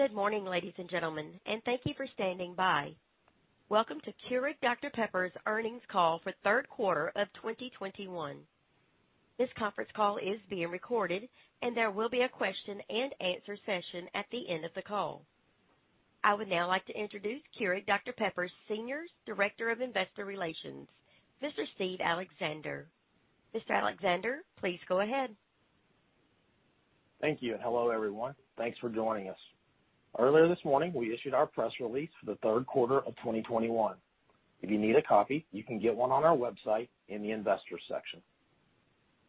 Good morning, ladies and gentlemen, and thank you for standing by. Welcome to Keurig Dr Pepper's earnings call for the Q3 of 2021. This conference call is being recorded, and there will be a question-and-answer session at the end of the call. I would now like to introduce Keurig Dr Pepper's Senior Director of Investor Relations, Mr. Steve Alexander. Mr. Alexander, please go ahead. Thank you, and hello, everyone. Thanks for joining us. Earlier this morning, we issued our press release for the Q3 of 2021. If you need a copy, you can get one on our website in the investor section.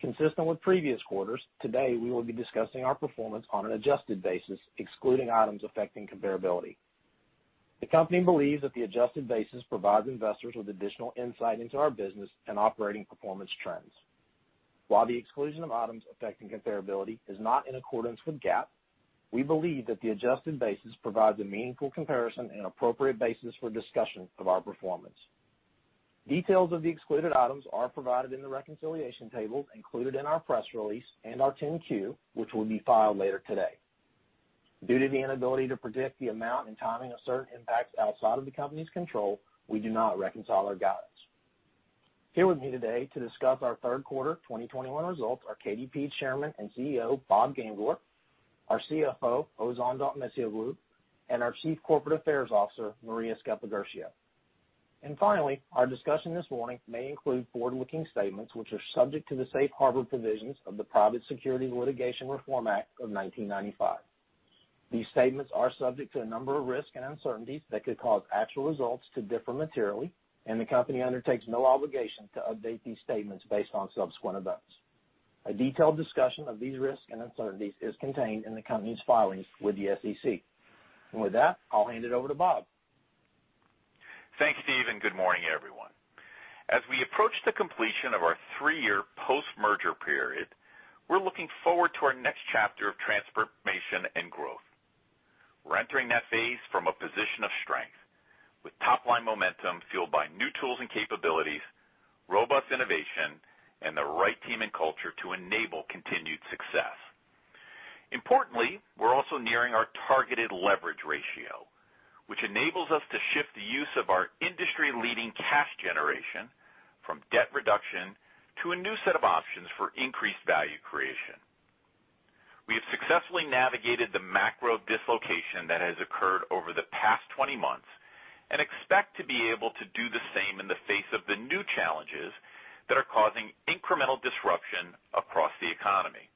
Consistent with previous quarters, today we will be discussing our performance on an adjusted basis, excluding items affecting comparability. The company believes that the adjusted basis provides investors with additional insight into our business and operating performance trends. While the exclusion of items affecting comparability is not in accordance with GAAP, we believe that the adjusted basis provides a meaningful comparison and appropriate basis for discussion of our performance. Details of the excluded items are provided in the reconciliation table included in our press release and our 10-Q, which will be filed later today. Due to the inability to predict the amount and timing of certain impacts outside of the company's control, we do not reconcile our guidance. Here with me today to discuss our Q3 2021 results are KDP's Chairman and CEO, Bob Gamgort, our CFO, Ozan Dokmecioglu, and our Chief Corporate Affairs Officer, Maria Sceppaguercio. Finally, our discussion this morning may include forward-looking statements, which are subject to the safe harbor provisions of the Private Securities Litigation Reform Act of 1995. These statements are subject to a number of risks and uncertainties that could cause actual results to differ materially, and the company undertakes no obligation to update these statements based on subsequent events. A detailed discussion of these risks and uncertainties is contained in the company's filings with the SEC. With that, I'll hand it over to Bob. Thanks, Steve, and good morning, everyone. As we approach the completion of our three-year post-merger period, we're looking forward to our next chapter of transformation and growth. We're entering that phase from a position of strength with top-line momentum fueled by new tools and capabilities, robust innovation, and the right team and culture to enable continued success. Importantly, we're also nearing our targeted leverage ratio, which enables us to shift the use of our industry-leading cash generation from debt reduction to a new set of options for increased value creation. We have successfully navigated the macro dislocation that has occurred over the past 20 months and expect to be able to do the same in the face of the new challenges, that are causing incremental disruption across the economy.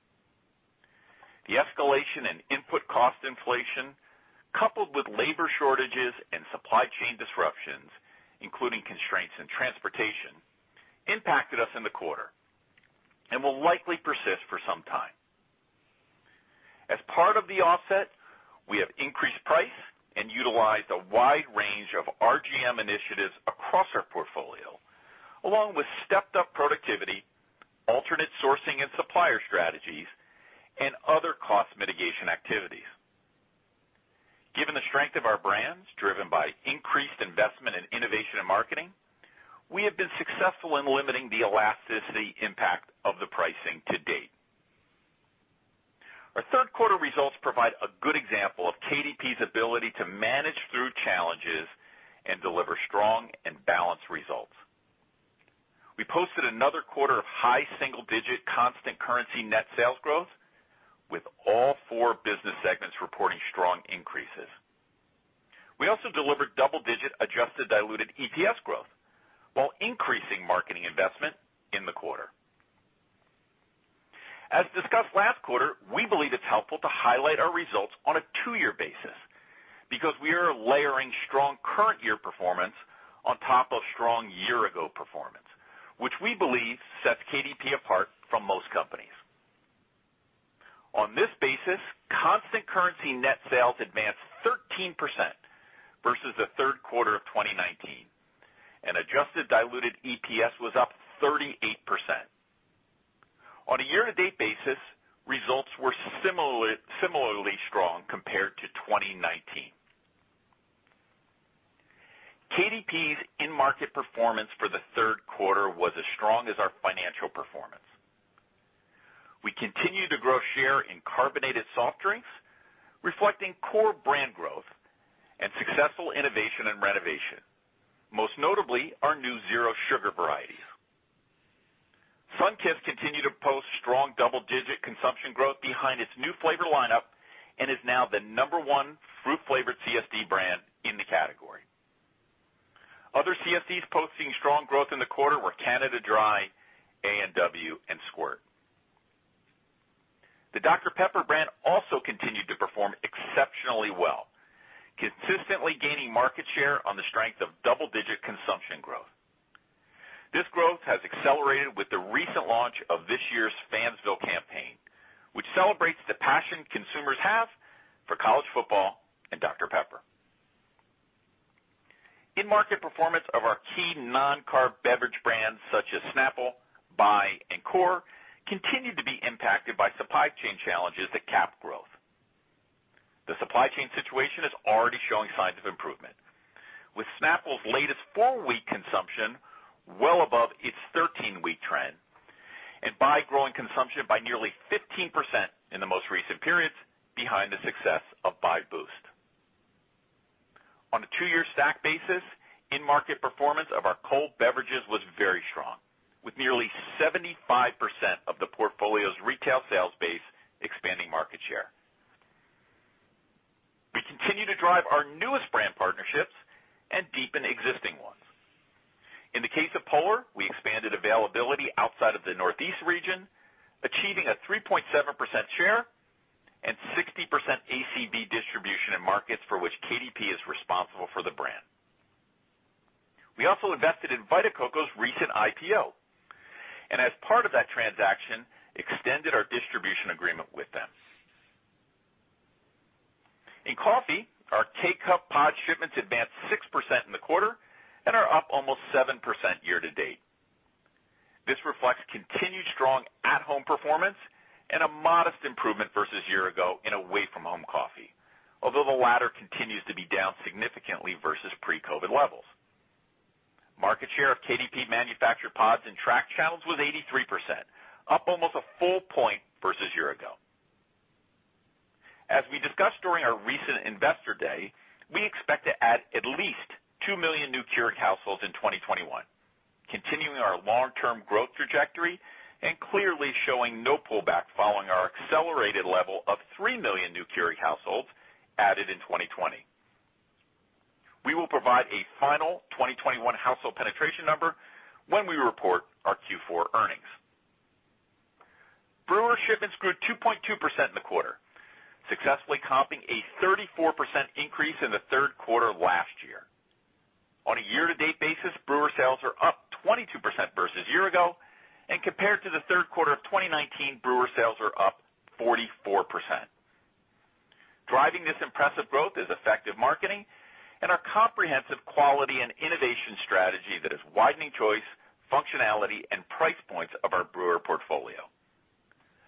The escalation in input cost inflation, coupled with labor shortages and supply chain disruptions, including constraints in transportation, impacted us in the quarter and will likely persist for some time. As part of the offset, we have increased price and utilized a wide range of RGM initiatives across our portfolio, along with stepped-up productivity, alternate sourcing and supplier strategies, and other cost mitigation activities. Given the strength of our brands, driven by increased investment in innovation and marketing, we have been successful in limiting the elasticity impact of the pricing to date. Our Q3 results provide a good example of KDP's ability to manage through challenges and deliver strong and balanced results. We posted another quarter of high single-digit constant currency net sales growth, with all four business segments reporting strong increases. We also delivered double-digit adjusted diluted EPS growth while increasing marketing investment in the quarter. As discussed last quarter, we believe it's helpful to highlight our results on a two-year basis, because we are layering strong current year performance on top of strong year-ago performance, which we believe sets KDP apart from most companies. On this basis, constant currency net sales advanced 13% versus the Q3 of 2019, and adjusted diluted EPS was up 38%. On a year-to-date basis, results were similarly strong compared to 2019. KDP's in-market performance for the Q3 was as strong as our financial performance. We continue to grow share in carbonated soft drinks, reflecting core brand growth and successful innovation and renovation, most notably our new zero sugar varieties. Sunkist continued to post strong double-digit consumption growth behind its new flavor lineup and is now the number one fruit-flavored CSD brand in the category. Other CSDs posting strong growth in the quarter were Canada Dry, A&W, and Squirt. The Dr Pepper brand also continued to perform exceptionally well, consistently gaining market share on the strength of double-digit consumption growth. This growth has accelerated with the recent launch of this year's Fansville campaign, which celebrates the passion consumers have for college football and Dr Pepper. In-market performance of our key non-carb beverage brands, such as Snapple, Bai, and CORE, continued to be impacted by supply chain challenges that cap growth. The supply chain situation is already showing signs of improvement. With Snapple's latest 4-week consumption well above its 13-week trend and by growing consumption by nearly 15% in the most recent periods behind the success of Bai Boost. On a 2-year stack basis, in-market performance of our cold beverages was very strong, with nearly 75% of the portfolio's retail sales base expanding market share. We continue to drive our newest brand partnerships and deepen existing ones. In the case of Polar, we expanded availability outside of the Northeast region, achieving a 3.7% share and 60% ACV distribution in markets for which KDP is responsible for the brand. We also invested in Vita Coco's recent IPO and as part of that transaction, extended our distribution agreement with them. In coffee, our K-Cup pod shipments advanced 6% in the quarter and are up almost 7% year-to-date. This reflects continued strong at-home performance and a modest improvement versus year ago in away-from-home coffee. Although the latter continues to be down significantly versus pre-COVID levels. Market share of KDP manufactured pods in track channels was 83%, up almost a full point versus year ago. As we discussed during our recent Investor Day, we expect to add at least 2 million new Keurig households in 2021, continuing our long-term growth trajectory and clearly showing no pullback following our accelerated level of 3 million new Keurig households added in 2020. We will provide a final 2021 household penetration number when we report our Q4 earnings. Brewer shipments grew 2.2% in the quarter, successfully comping a 34% increase in the Q3 last year. On a year-to-date basis, brewer sales are up 22% versus year ago, and compared to the Q3 of 2019, brewer sales are up 44%. Driving this impressive growth is effective marketing and our comprehensive quality and innovation strategy that is widening choice, functionality, and price points of our brewer portfolio.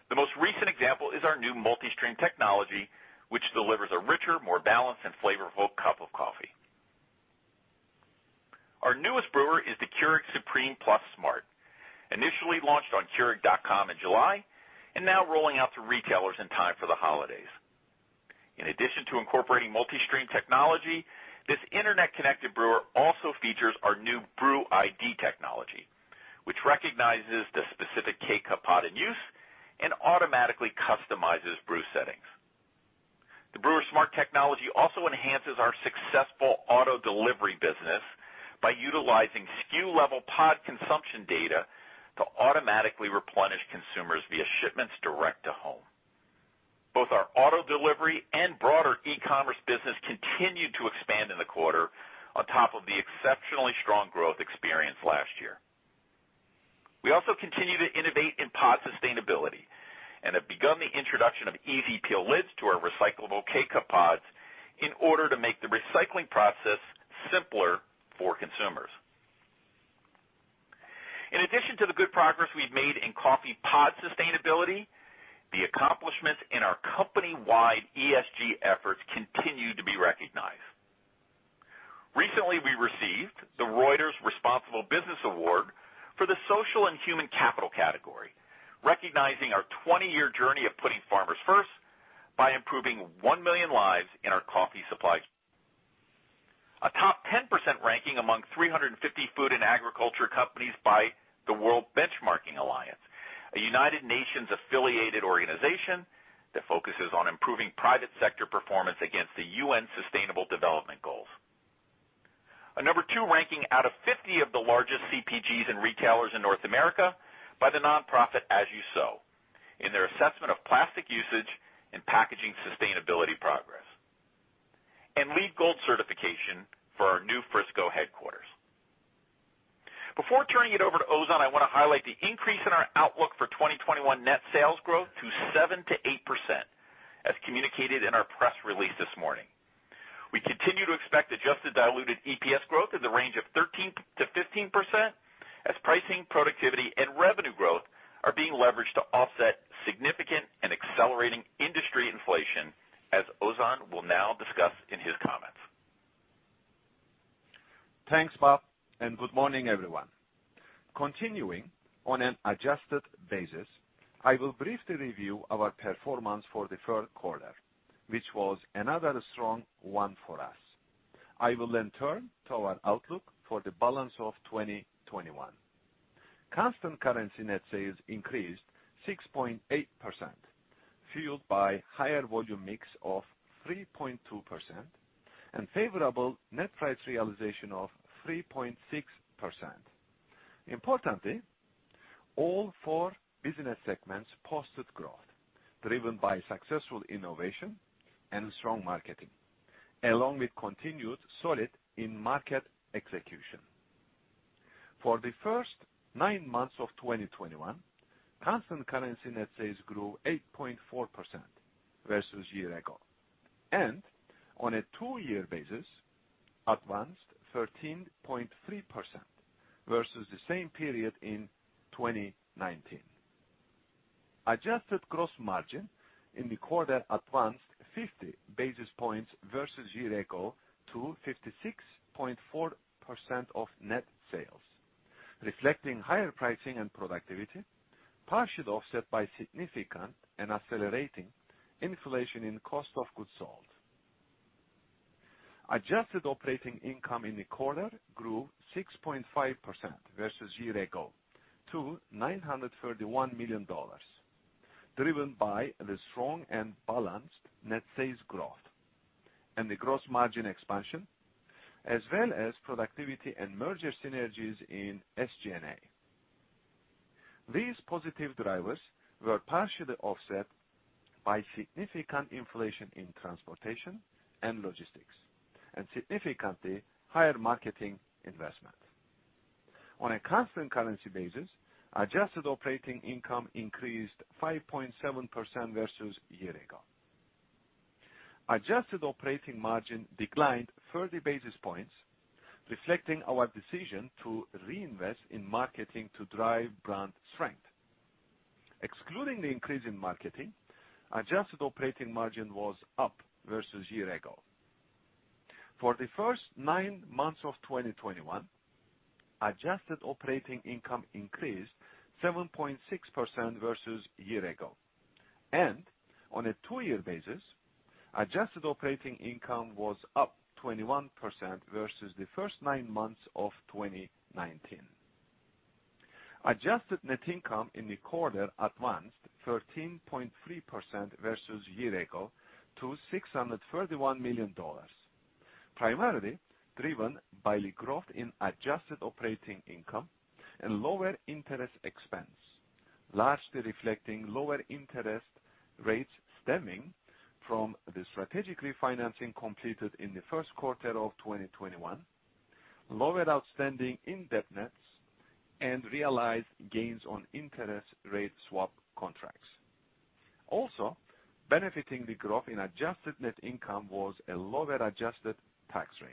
The most recent example is our new multi-stream technology, which delivers a richer, more balanced, and flavorful cup of coffee. Our newest brewer is the K-Supreme Plus Smart, initially launched on keurig.com in July and now rolling out to retailers in time for the holidays. In addition to incorporating multi-stream technology, this internet-connected brewer also features our new BrewID technology, which recognizes the specific K-Cup pod in use and automatically customizes brew settings. The Brewer Smart technology also enhances our successful auto delivery business by utilizing SKU-level pod consumption data to automatically replenish consumers via shipments direct to home. Both our auto delivery and broader e-commerce business continued to expand in the quarter on top of the exceptionally strong growth experienced last year. We also continue to innovate in pod sustainability and have begun the introduction of easy-peel lids to our recyclable K-Cup pods in order to make the recycling process simpler for consumers. In addition to the good progress we've made in coffee pod sustainability, the accomplishments in our company-wide ESG efforts continue to be recognized. Recently, we received the Reuters Responsible Business Award for the social and human capital category, recognizing our 20-year journey of putting farmers first by improving 1 million lives in our coffee supply chain. We received a top 10% ranking among 350 food and agriculture companies by the World Benchmarking Alliance, a United Nations-affiliated organization that focuses on improving private sector performance against the UN Sustainable Development Goals. A number 2 ranking out of 50 of the largest CPGs and retailers in North America by the nonprofit As You Sow in their assessment of plastic usage and packaging sustainability progress. LEED Gold certification for our new Frisco headquarters. Before turning it over to Ozan, I wanna highlight the increase in our outlook for 2021 net sales growth to 7%-8% as communicated in our press release this morning. We continue to expect adjusted diluted EPS growth in the range of 13%-15% as pricing, productivity, and revenue growth are being leveraged to offset significant and accelerating industry inflation, as Ozan will now discuss in his comments. Thanks, Bob, and good morning, everyone. Continuing on an adjusted basis, I will briefly review our performance for the Q3, which was another strong one for us. I will then turn to our outlook for the balance of 2021. Constant currency net sales increased 6.8%, fueled by higher volume mix of 3.2% and favorable net price realization of 3.6%. Importantly, all four business segments posted growth driven by successful innovation and strong marketing, along with continued solid in-market execution. For the first nine months of 2021, constant currency net sales grew 8.4% versus year ago, and on a two-year basis, advanced 13.3% versus the same period in 2019. Adjusted gross margin in the quarter advanced 50 basis points versus year ago to 56.4% of net sales, reflecting higher pricing and productivity, partially offset by significant and accelerating inflation in cost of goods sold. Adjusted operating income in the quarter grew 6.5% versus year ago to $931 million, driven by the strong and balanced net sales growth and the gross margin expansion, as well as productivity and merger synergies in SG&A. These positive drivers were partially offset by significant inflation in transportation and logistics and significantly higher marketing investment. On a constant currency basis, adjusted operating income increased 5.7% versus year ago. Adjusted operating margin declined 30 basis points, reflecting our decision to reinvest in marketing to drive brand strength. Excluding the increase in marketing, adjusted operating margin was up versus year ago. For the first nine months of 2021, adjusted operating income increased 7.6% versus year ago. On a two-year basis, adjusted operating income was up 21% versus the first nine months of 2019. Adjusted net income in the quarter advanced 13.3% versus year ago to $631 million, primarily driven by the growth in adjusted operating income and lower interest expense, largely reflecting lower interest rates stemming from the strategic refinancing completed in the Q1 of 2021, lower outstanding indebtedness, and realized gains on interest rate swap contracts. Also, benefiting the growth in adjusted net income was a lower adjusted tax rate.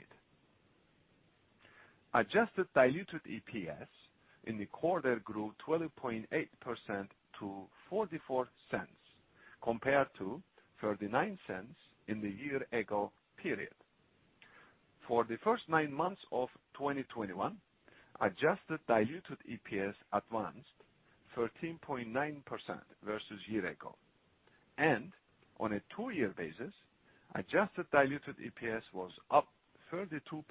Adjusted diluted EPS in the quarter grew 12.8% to $0.44 compared to $0.39 in the year ago period. For the first nine months of 2021, adjusted diluted EPS advanced 13.9% versus year ago. On a two-year basis, adjusted diluted EPS was up 32%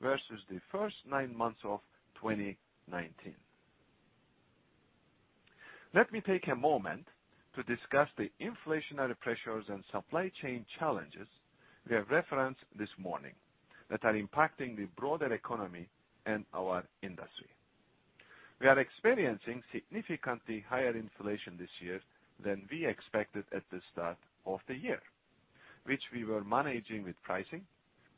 versus the first nine months of 2019. Let me take a moment to discuss the inflationary pressures and supply chain challenges we have referenced this morning that are impacting the broader economy and our industry. We are experiencing significantly higher inflation this year than we expected at the start of the year, which we were managing with pricing,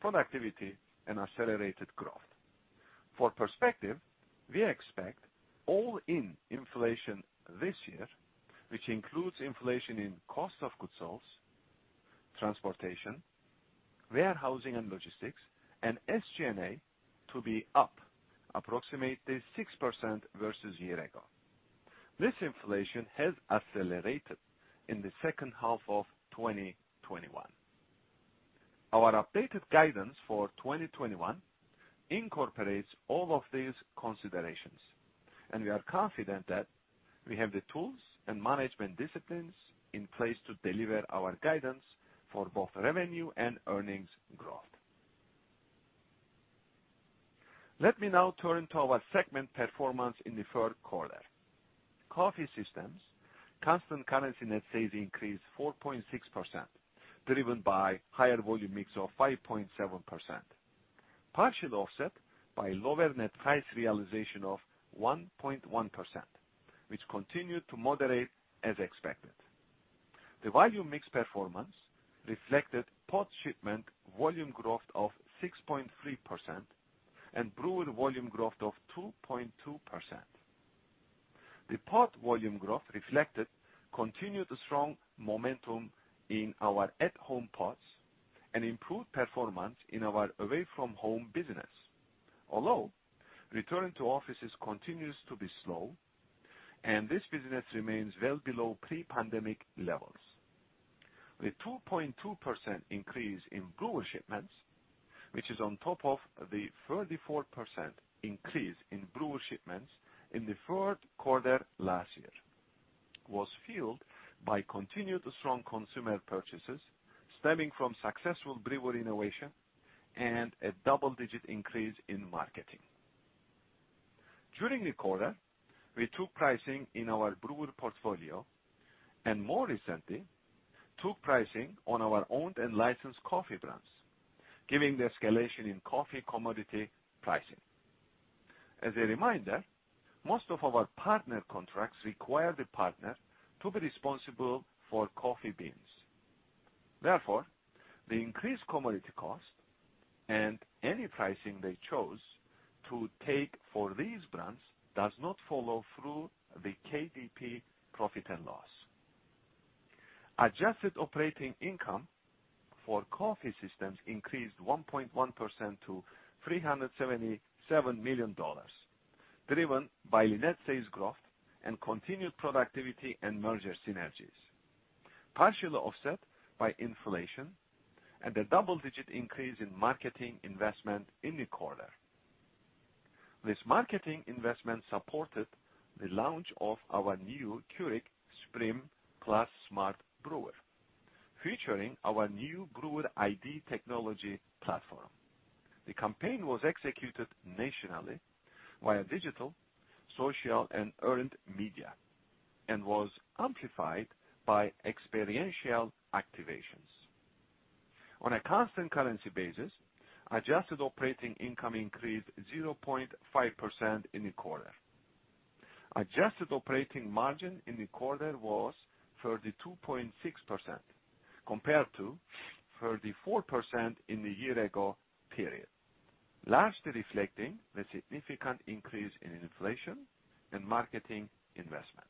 productivity, and accelerated growth. For perspective, we expect all-in inflation this year, which includes inflation in cost of goods sales, transportation, warehousing and logistics, and SG&A to be up approximately 6% versus year ago. This inflation has accelerated in the second half of 2021. Our updated guidance for 2021 incorporates all of these considerations, and we are confident that we have the tools and management disciplines in place to deliver our guidance for both revenue and earnings growth. Let me now turn to our segment performance in the Q3. Coffee Systems constant currency net sales increased 4.6%, driven by higher volume mix of 5.7%, partially offset by lower net price realization of 1.1%, which continued to moderate as expected. The volume mix performance reflected pod shipment volume growth of 6.3% and brewer volume growth of 2.2%. The pod volume growth reflected continued strong momentum in our at-home pods and improved performance in our away-from-home business. Although return to offices continues to be slow and this business remains well below pre-pandemic levels. The 2.2% increase in brewer shipments, which is on top of the 34% increase in brewer shipments in the Q3 last year, was fueled by continued strong consumer purchases stemming from successful brewer innovation and a double-digit increase in marketing. During the quarter, we took pricing in our brewer portfolio and more recently, took pricing on our owned and licensed coffee brands, given the escalation in coffee commodity pricing. As a reminder, most of our partner contracts require the partner to be responsible for coffee beans. Therefore, the increased commodity cost and any pricing they chose to take for these brands does not follow through the KDP profit and loss. Adjusted operating income for Coffee Systems increased 1.1% to $377 million, driven by net sales growth and continued productivity and merger synergies, partially offset by inflation and a double-digit increase in marketing investment in the quarter. This marketing investment supported the launch of our new K-Supreme Plus SMART brewer, featuring our new BrewID technology platform. The campaign was executed nationally via digital, social, and earned media, and was amplified by experiential activations. On a constant currency basis, adjusted operating income increased 0.5% in the quarter. Adjusted operating margin in the quarter was 32.6% compared to 44% in the year ago period, largely reflecting the significant increase in inflation and marketing investment.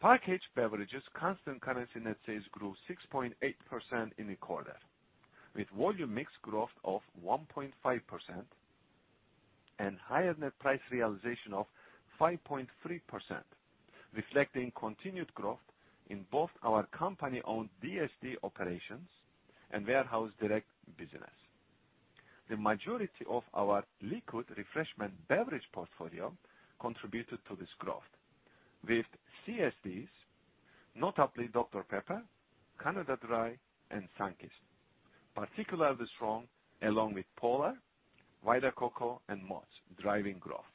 Packaged Beverages constant currency net sales grew 6.8% in the quarter, with volume mix growth of 1.5% and higher net price realization of 5.3%, reflecting continued growth in both our company-owned DSD operations and warehouse direct business. The majority of our liquid refreshment beverage portfolio contributed to this growth with CSDs, notably Dr Pepper, Canada Dry, and Sunkist, particularly strong, along with Polar, Vita Coco, and Mott's driving growth.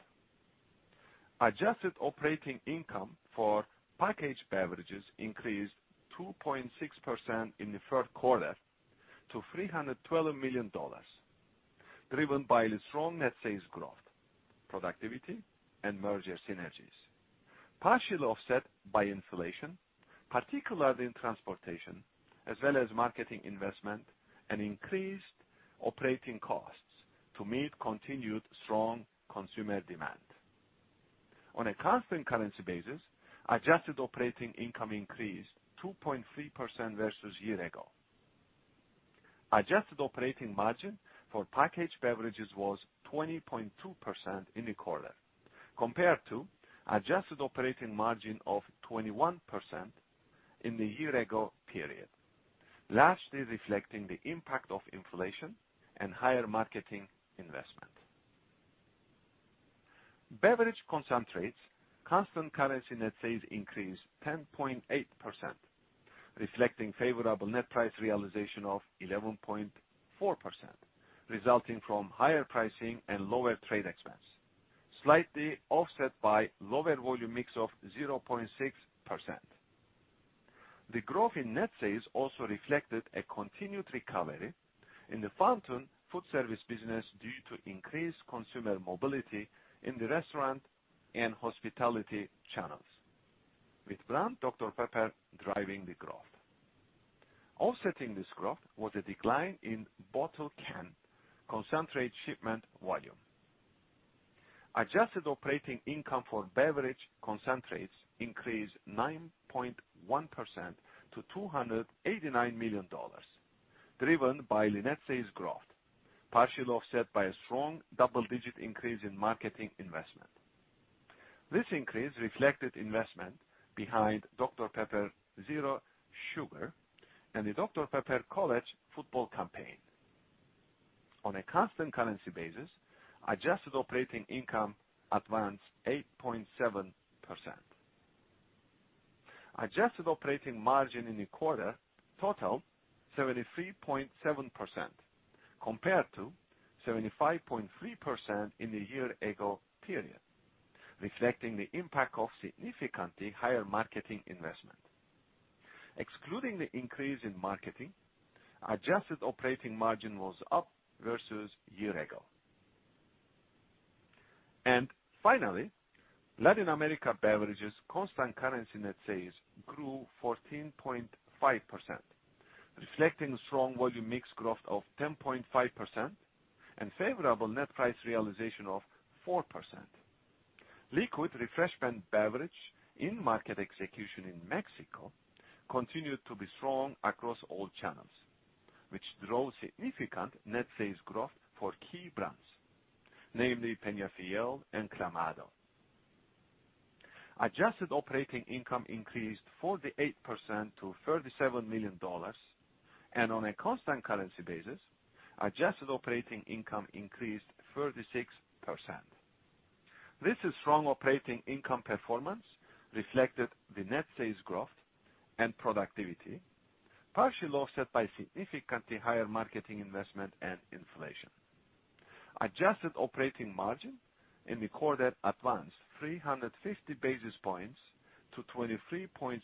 Adjusted operating income for Packaged Beverages increased 2.6% in the Q3 to $312 million, driven by the strong net sales growth, productivity, and merger synergies, partially offset by inflation, particularly in transportation, as well as marketing investment and increased operating costs to meet continued strong consumer demand. On a constant currency basis, adjusted operating income increased 2.3% versus year ago. Adjusted operating margin for Packaged Beverages was 20.2% in the quarter compared to adjusted operating margin of 21% in the year ago period, lastly reflecting the impact of inflation and higher marketing investment. Beverage Concentrates constant currency net sales increased 10.8%, reflecting favorable net price realization of 11.4%, resulting from higher pricing and lower trade expense, slightly offset by lower volume mix of 0.6%. The growth in net sales also reflected a continued recovery in the Fountain Foodservice business due to increased consumer mobility in the restaurant and hospitality channels, with brand Dr Pepper driving the growth. Offsetting this growth was a decline in bottler concentrate shipment volume. Adjusted operating income for Beverage Concentrates increased 9.1% to $289 million, driven by net sales growth, partially offset by a strong double-digit increase in marketing investment. This increase reflected investment behind Dr Pepper Zero Sugar and the Dr Pepper College football campaign. On a constant currency basis, adjusted operating income advanced 8.7%. Adjusted operating margin in the quarter totaled 73.7% compared to 75.3% in the year ago period, reflecting the impact of significantly higher marketing investment. Excluding the increase in marketing, adjusted operating margin was up versus year ago. Finally, Latin America Beverages constant currency net sales grew 14.5%, reflecting strong volume mix growth of 10.5% and favorable net price realization of 4%. Liquid refreshment beverage in-market execution in Mexico continued to be strong across all channels, which drove significant net sales growth for key brands, namely Peñafiel and Clamato. Adjusted operating income increased 48% to $37 million. On a constant currency basis, adjusted operating income increased 36%. This strong operating income performance reflected the net sales growth and productivity, partially offset by significantly higher marketing investment and inflation. Adjusted operating margin in the quarter advanced 350 basis points to 23.7%,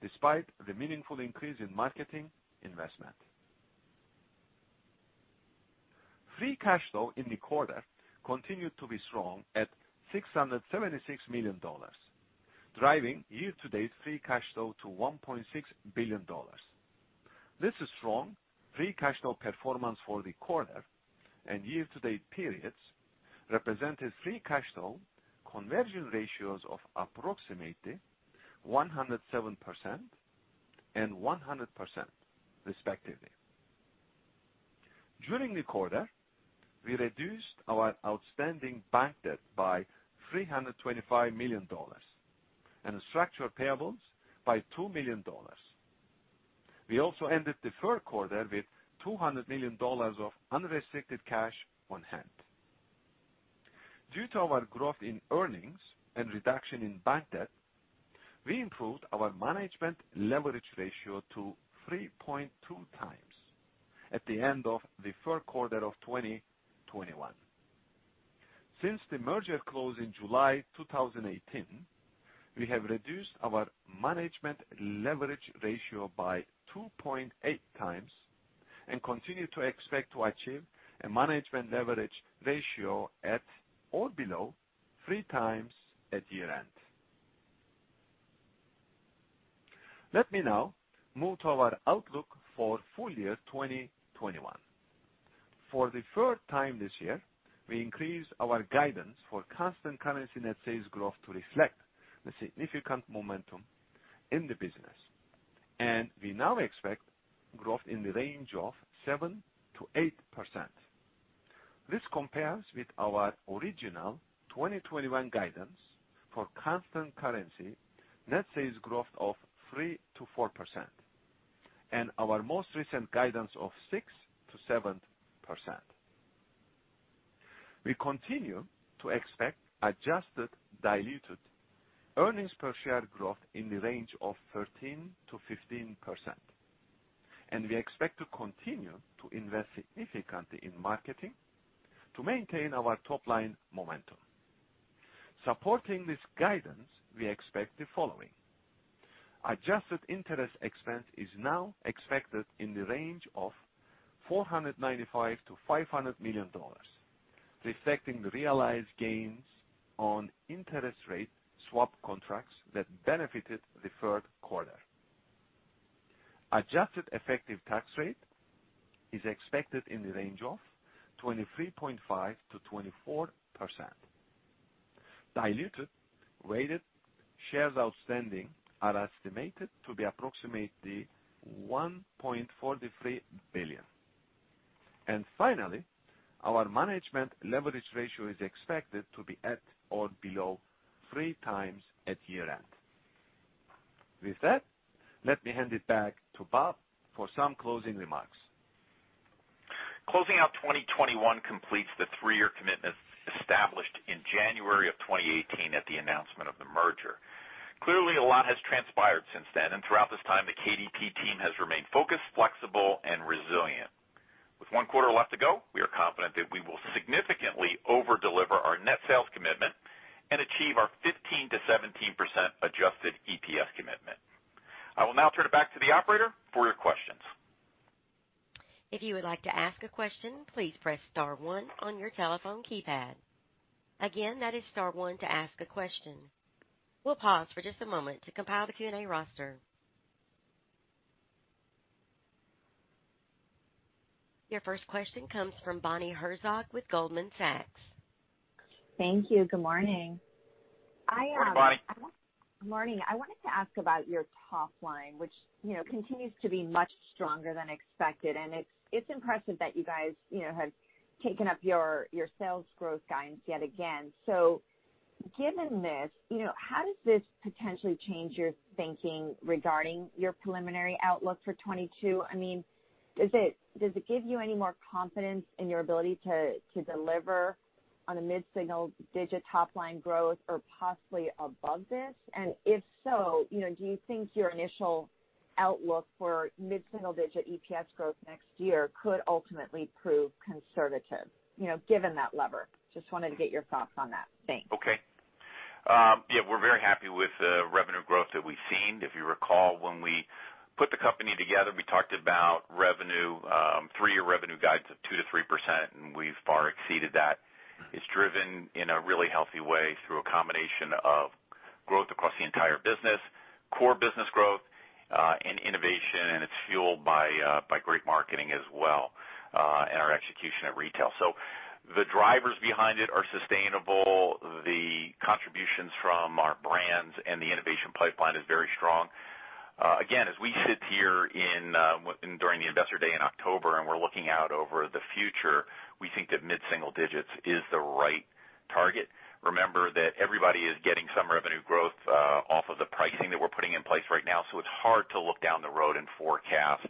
despite the meaningful increase in marketing investment. Free cash flow in the quarter continued to be strong at $676 million, driving year-to-date free cash flow to $1.6 billion. This is strong free cash flow performance for the quarter and year-to-date periods represented free cash flow conversion ratios of approximately 107% and 100% respectively. During the quarter, we reduced our outstanding bank debt by $325 million and the structural payables by $2 million. We also ended the Q3 with $200 million of unrestricted cash on hand. Due to our growth in earnings and reduction in bank debt, we improved our management leverage ratio to 3.2x at the end of the Q3 of 2021. Since the merger closed in July 2018, we have reduced our management leverage ratio by 2.8 times and continue to expect to achieve a management leverage ratio at or below 3 times at year-end. Let me now move to our outlook for full year 2021. For the 3rd time this year, we increased our guidance for constant currency net sales growth to reflect the significant momentum in the business. We now expect growth in the range of 7%-8%. This compares with our original 2021 guidance for constant currency net sales growth of 3%-4% and our most recent guidance of 6%-7%. We continue to expect adjusted diluted earnings per share growth in the range of 13%-15%, and we expect to continue to invest significantly in marketing to maintain our top-line momentum. Supporting this guidance, we expect the following. Adjusted interest expense is now expected in the range of $495 million-$500 million, reflecting the realized gains on interest rate swap contracts that benefited the Q3. Adjusted effective tax rate is expected in the range of 23.5%-24%. Diluted weighted shares outstanding are estimated to be approximately 1.43 billion. Finally, our management leverage ratio is expected to be at or below 3x at year-end. With that, let me hand it back to Bob for some closing remarks. Closing out 2021 completes the three-year commitment established in January 2018 at the announcement of the merger. Clearly, a lot has transpired since then, and throughout this time, the KDP team has remained focused, flexible, and resilient. With one quarter left to go, we are confident that we will significantly over-deliver our net sales commitment and achieve our 15%-17% adjusted EPS commitment. I will now turn it back to the operator for your questions. If you would like to ask a question, please press star one on your telephone keypad. Again, that is star one to ask a question. We'll pause for just a moment to compile the Q&A roster. Your first question comes from Bonnie Herzog with Goldman Sachs. Thank you. Good morning. Morning, Bonnie. Morning. I wanted to ask about your top line, which, you know, continues to be much stronger than expected. It's impressive that you guys, you know, have taken up your sales growth guidance yet again. Given this, you know, how does this potentially change your thinking regarding your preliminary outlook for 2022? I mean, does it give you any more confidence in your ability to deliver on a mid-single digit top line growth or possibly above this? If so, you know, do you think your initial outlook for mid-single digit EPS growth next year could ultimately prove conservative? You know, given that lever, just wanted to get your thoughts on that. Thanks. Okay. Yeah, we're very happy with the revenue growth that we've seen. If you recall, when we put the company together, we talked about revenue, three-year revenue guides of 2%-3%, and we've far exceeded that. It's driven in a really healthy way through a combination of growth across the entire business, core business growth, and innovation, and it's fueled by great marketing as well, and our execution at retail. The drivers behind it are sustainable. The contributions from our brands and the innovation pipeline is very strong. Again, as we sit here during the Investor Day in October, and we're looking out over the future, we think that mid-single digits is the right target. Remember that everybody is getting some revenue growth off of the pricing that we're putting in place right now, so it's hard to look down the road and forecast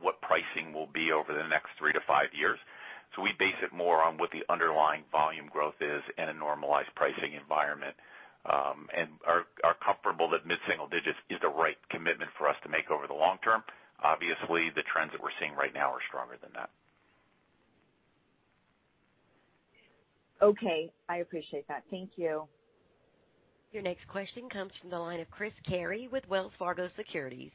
what pricing will be over the next 3 to 5 years. We base it more on what the underlying volume growth is in a normalized pricing environment and are comfortable that mid-single digits is the right commitment for us to make over the long term. Obviously, the trends that we're seeing right now are stronger than that. Okay. I appreciate that. Thank you. Your next question comes from the line of Chris Carey with Wells Fargo Securities.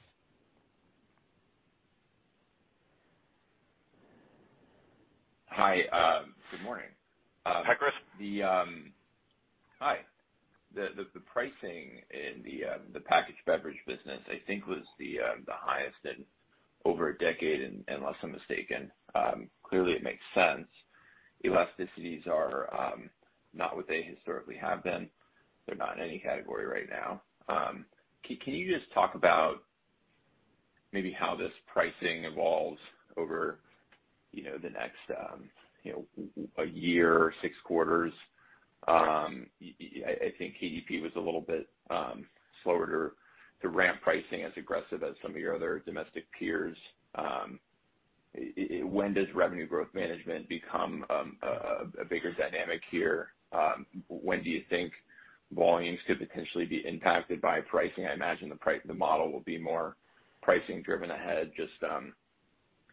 Hi, good morning. Hi, Chris. Hi. The pricing in the packaged beverage business I think was the highest in over a decade unless I'm mistaken. Clearly it makes sense. Elasticities are not what they historically have been. They're not in any category right now. Can you just talk about maybe how this pricing evolves over, you know, the next, you know, a year or six quarters? I think KDP was a little bit slower to ramp pricing as aggressive as some of your other domestic peers. When does revenue growth management become a bigger dynamic here? When do you think volumes could potentially be impacted by pricing? I imagine the model will be more pricing driven ahead just,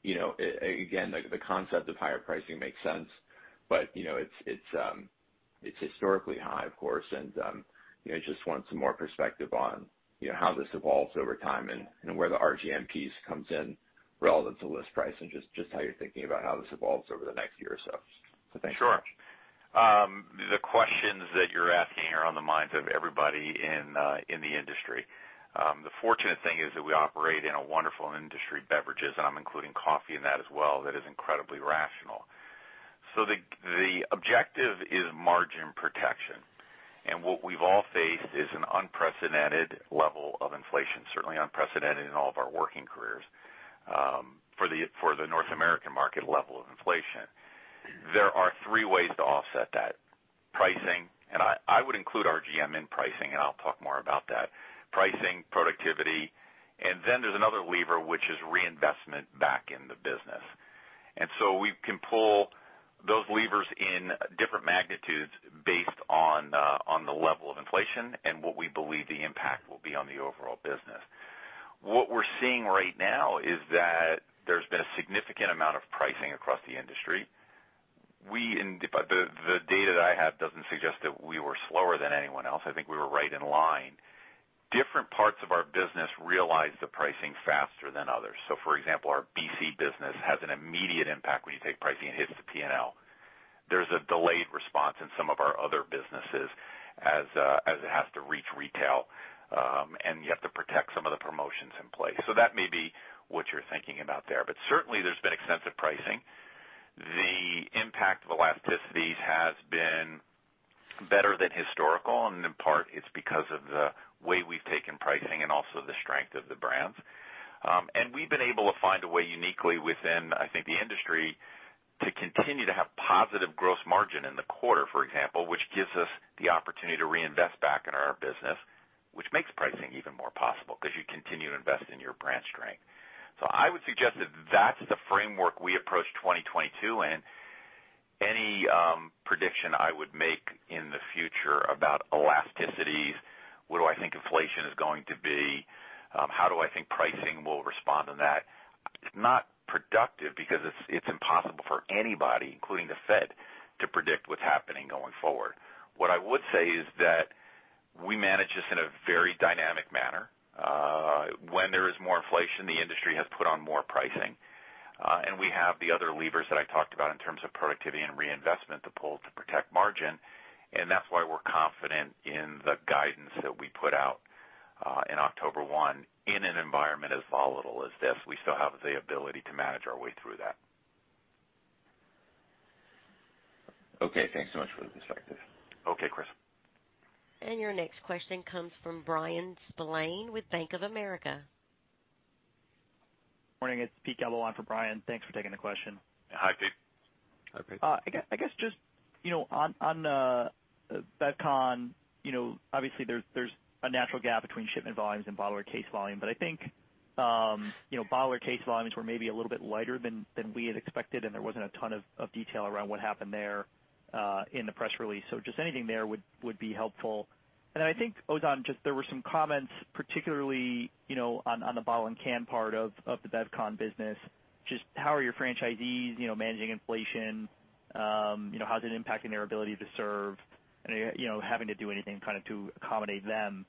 you know, again, the concept of higher pricing makes sense but, you know, it's historically high, of course. I just want some more perspective on, you know, how this evolves over time and where the RGM comes in relevant to list pricing. Just how you're thinking about how this evolves over the next year or so. Thanks so much. Sure. The questions that you're asking are on the minds of everybody in the industry. The fortunate thing is that we operate in a wonderful industry, beverages, and I'm including coffee in that as well, that is incredibly rational. The objective is margin protection. What we've all faced is an unprecedented level of inflation, certainly unprecedented in all of our working careers, for the North American market level of inflation. There are three ways to offset that. Pricing, and I would include RGM in pricing, and I'll talk more about that. Pricing, productivity, and then there's another lever, which is reinvestment back in the business. We can pull those levers in different magnitudes based on the level of inflation and what we believe the impact will be on the overall business. What we're seeing right now is that there's been a significant amount of pricing across the industry. The data that I have doesn't suggest that we were slower than anyone else. I think we were right in line. Different parts of our business realized the pricing faster than others. For example, our BC business has an immediate impact when you take pricing. It hits the P&L. There's a delayed response in some of our other businesses as it has to reach retail, and you have to protect some of the promotions in place. That may be what you're thinking about there. Certainly there's been extensive pricing. The impact of elasticities has been better than historical, and in part it's because of the way we've taken pricing and also the strength of the brands. We've been able to find a way uniquely within, I think, the industry to continue to have positive gross margin in the quarter, for example, which gives us the opportunity to reinvest back into our business, which makes pricing even more possible because you continue to invest in your brand strength. I would suggest that that's the framework we approach 2022 in. Any prediction I would make in the future about elasticities, what do I think inflation is going to be, how do I think pricing will respond in that, it's not productive because it's impossible for anybody, including the Fed, to predict what's happening going forward. What I would say is that we manage this in a very dynamic manner. When there is more inflation, the industry has put on more pricing. We have the other levers that I talked about in terms of productivity and reinvestment to pull to protect margin, and that's why we're confident in the guidance that we put out in October 1. In an environment as volatile as this, we still have the ability to manage our way through that. Okay, thanks so much for the perspective. Okay, Chris. Your next question comes from Bryan Spillane with Bank of America. Morning, it's Pete Galbo for Bryan Spillane. Thanks for taking the question. Hi, Pete. Hi, Pete. I guess just, you know, on BevCon, you know, obviously there's a natural gap between shipment volumes and bottler case volume. I think, you know, bottler case volumes were maybe a little bit lighter than we had expected, and there wasn't a ton of detail around what happened there, in the press release. Just anything there would be helpful. I think, Ozan, just there were some comments particularly, you know, on the bottle and can part of the BevCon business. Just how are your franchisees, you know, managing inflation? You know, how is it impacting their ability to serve? And are, you know, having to do anything kind of to accommodate them,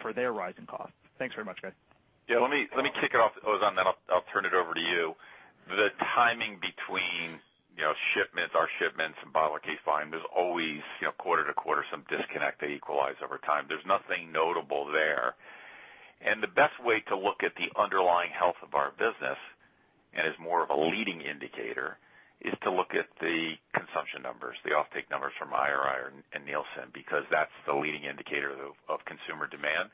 for their rise in cost? Thanks very much, guys. Yeah, let me kick it off to Ozan, then I'll turn it over to you. The timing between, you know, shipments, our shipments and bottler case volume, there's always, you know, quarter to quarter some disconnect. They equalize over time. There's nothing notable there. The best way to look at the underlying health of our business, and as more of a leading indicator, is to look at the consumption numbers, the offtake numbers from IRI and Nielsen, because that's the leading indicator of consumer demand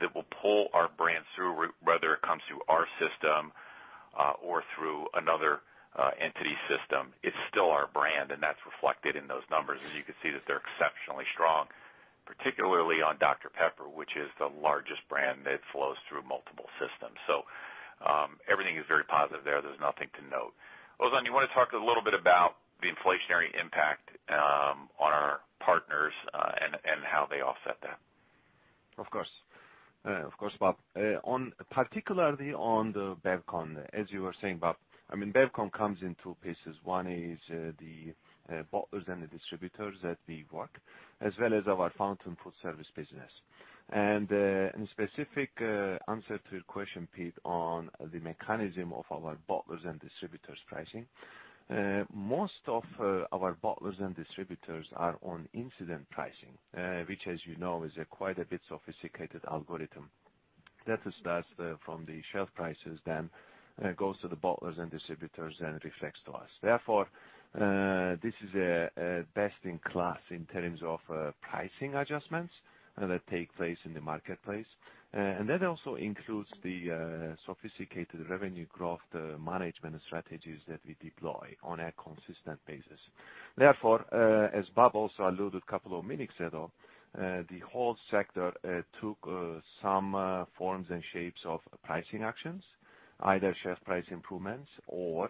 that will pull our brand through, whether it comes through our system or through another entity system. It's still our brand, and that's reflected in those numbers. You can see that they're exceptionally strong, particularly on Dr Pepper, which is the largest brand that flows through multiple systems. Everything is very positive there. There's nothing to note. Ozan, do you wanna talk a little bit about the inflationary impact on our partners, and how they offset that? Of course. Of course, Bob. Particularly on the BevCon, as you were saying, Bob, I mean, BevCon comes in two pieces. One is, the Bottlers and the distributors that we work with, as well as our Fountain Foodservice business. Specifically, in answer to your question, Pete Galbo, on the mechanism of our bottlers and distributors pricing, most of our bottlers and distributors are on incentive pricing, which, as you know, is quite a bit sophisticated algorithm. That starts from the shelf prices, then goes to the bottlers and distributors and reflects to us. Therefore, this is a best in class in terms of pricing adjustments that take place in the marketplace. That also includes the sophisticated Revenue Growth Management strategies that we deploy on a consistent basis. Therefore, as Bob also alluded a couple of minutes ago, the whole sector took some forms and shapes of pricing actions, either shelf price improvements or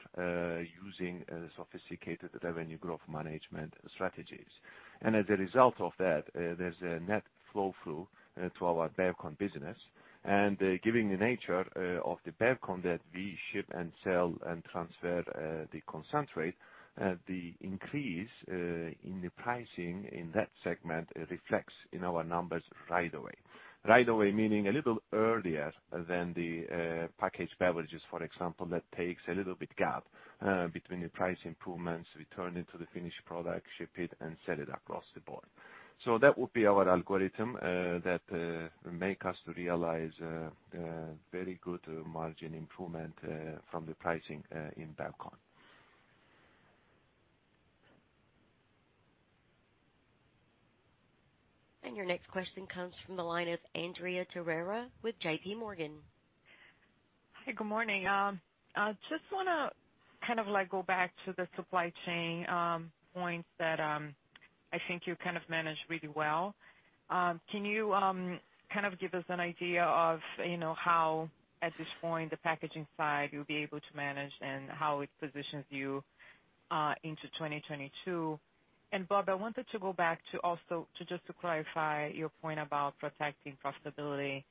using a sophisticated revenue growth management strategies. As a result of that, there's a net flow through to our BevCon business. Given the nature of the BevCon that we ship and sell and transfer, the concentrate, the increase in the pricing in that segment reflects in our numbers right away. Right away meaning a little earlier than the Packaged Beverages, for example, that takes a little bit of a gap between the price improvements, we turn into the finished product, ship it, and sell it across the board. That would be our algorithm that make us to realize very good margin improvement from the pricing in BevCon. Your next question comes from the line of Andrea Teixeira with J.P. Morgan. Hi, good morning. I just wanna kind of like go back to the supply chain point that I think you kind of managed really well. Can you kind of give us an idea of, you know, how at this point the packaging side you'll be able to manage and how it positions you into 2022? Bob, I wanted to go back to also to just to clarify your point about protecting profitability.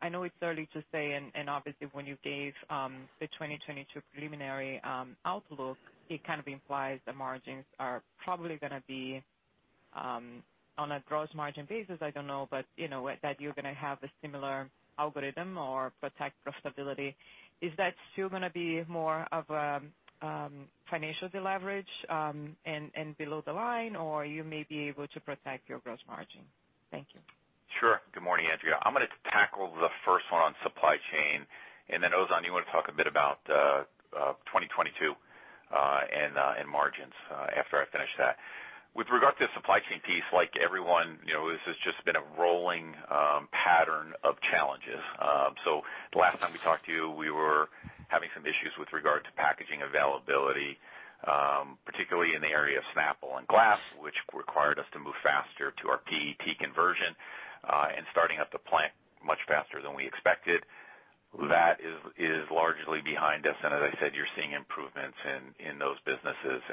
I know it's early to say, and obviously when you gave the 2022 preliminary outlook, it kind of implies the margins are probably gonna be on a gross margin basis, I don't know, but you know that you're gonna have a similar algorithm or protect profitability. Is that still gonna be more of a financial deleverage, and below the line, or you may be able to protect your gross margin? Thank you. Sure. Good morning, Andrea. I'm gonna tackle the first one on supply chain, and then Ozan, you wanna talk a bit about 2022 and margins after I finish that. With regard to the supply chain piece, like everyone, you know, this has just been a rolling pattern of challenges. Last time we talked to you, we were having some issues with regard to packaging availability, particularly in the area of Snapple and glass, which required us to move faster to our PET conversion and starting up the plant much faster than we expected. That is largely behind us, and as I said, you're seeing improvements in those businesses.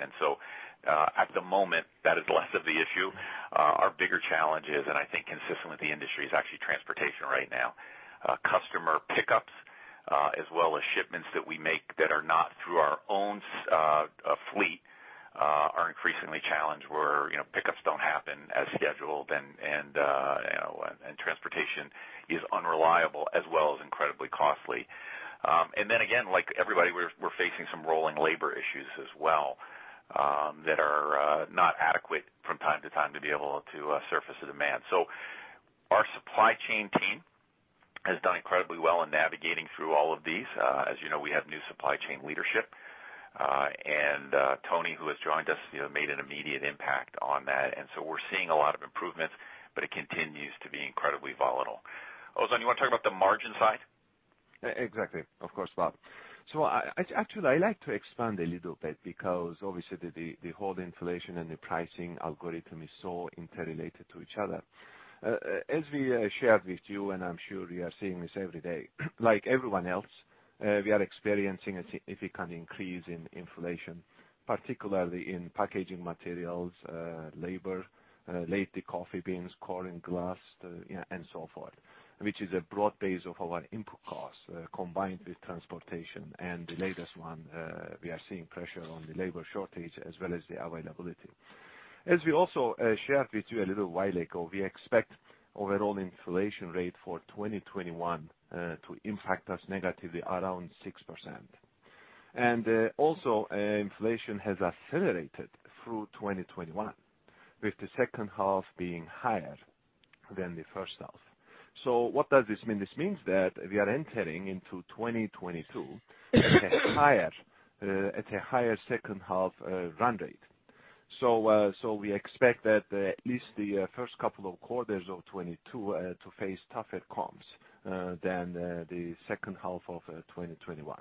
At the moment, that is less of the issue. Our bigger challenge is, and I think consistent with the industry, is actually transportation right now. Customer pickups, as well as shipments that we make that are not through our own fleet, are increasingly challenged where, you know, pickups don't happen as scheduled and, you know, and transportation is unreliable as well as incredibly costly. Like everybody, we're facing some rolling labor issues as well, that are not adequate from time to time to be able to surface the demand. Our supply chain team has done incredibly well in navigating through all of these. As you know, we have new supply chain leadership, and Tony, who has joined us, made an immediate impact on that. We're seeing a lot of improvements, but it continues to be incredibly volatile. Ozan, you wanna talk about the margin side? Exactly. Of course, Bob. Actually I like to expand a little bit because obviously the whole inflation and the pricing algorithm is so interrelated to each other. As we shared with you, and I'm sure you are seeing this every day, like everyone else, we are experiencing a significant increase in inflation, particularly in packaging materials, labor, lately coffee beans, corn, glass, and so forth, which is a broad base of our input costs, combined with transportation. The latest one, we are seeing pressure on the labor shortage as well as the availability. As we also shared with you a little while ago, we expect overall inflation rate for 2021 to impact us negatively around 6%. Inflation has accelerated through 2021, with the second half being higher than the first half. What does this mean? This means that we are entering into 2022 at a higher second half run rate. We expect that at least the first couple of quarters of 2022 to face tougher comps than the second half of 2021.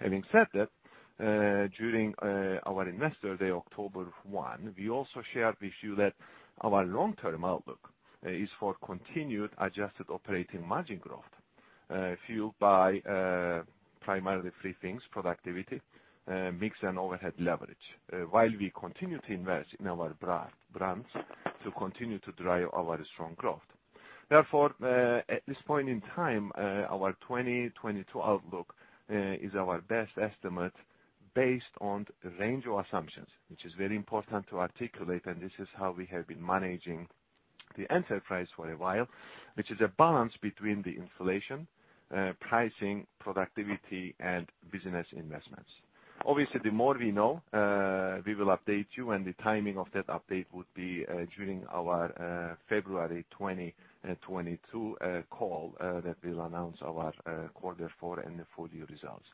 Having said that, during our Investor Day October 1, we also shared with you that our long-term outlook is for continued adjusted operating margin growth, fueled by primarily three things, productivity, mix and overhead leverage, while we continue to invest in our brands to continue to drive our strong growth. Therefore, at this point in time, our 2022 outlook is our best estimate based on the range of assumptions, which is very important to articulate, and this is how we have been managing the enterprise for a while, which is a balance between the inflation, pricing, productivity, and business investments. Obviously, the more we know, we will update you, and the timing of that update would be during our February 2022 call that we'll announce our quarter four and the full-year results.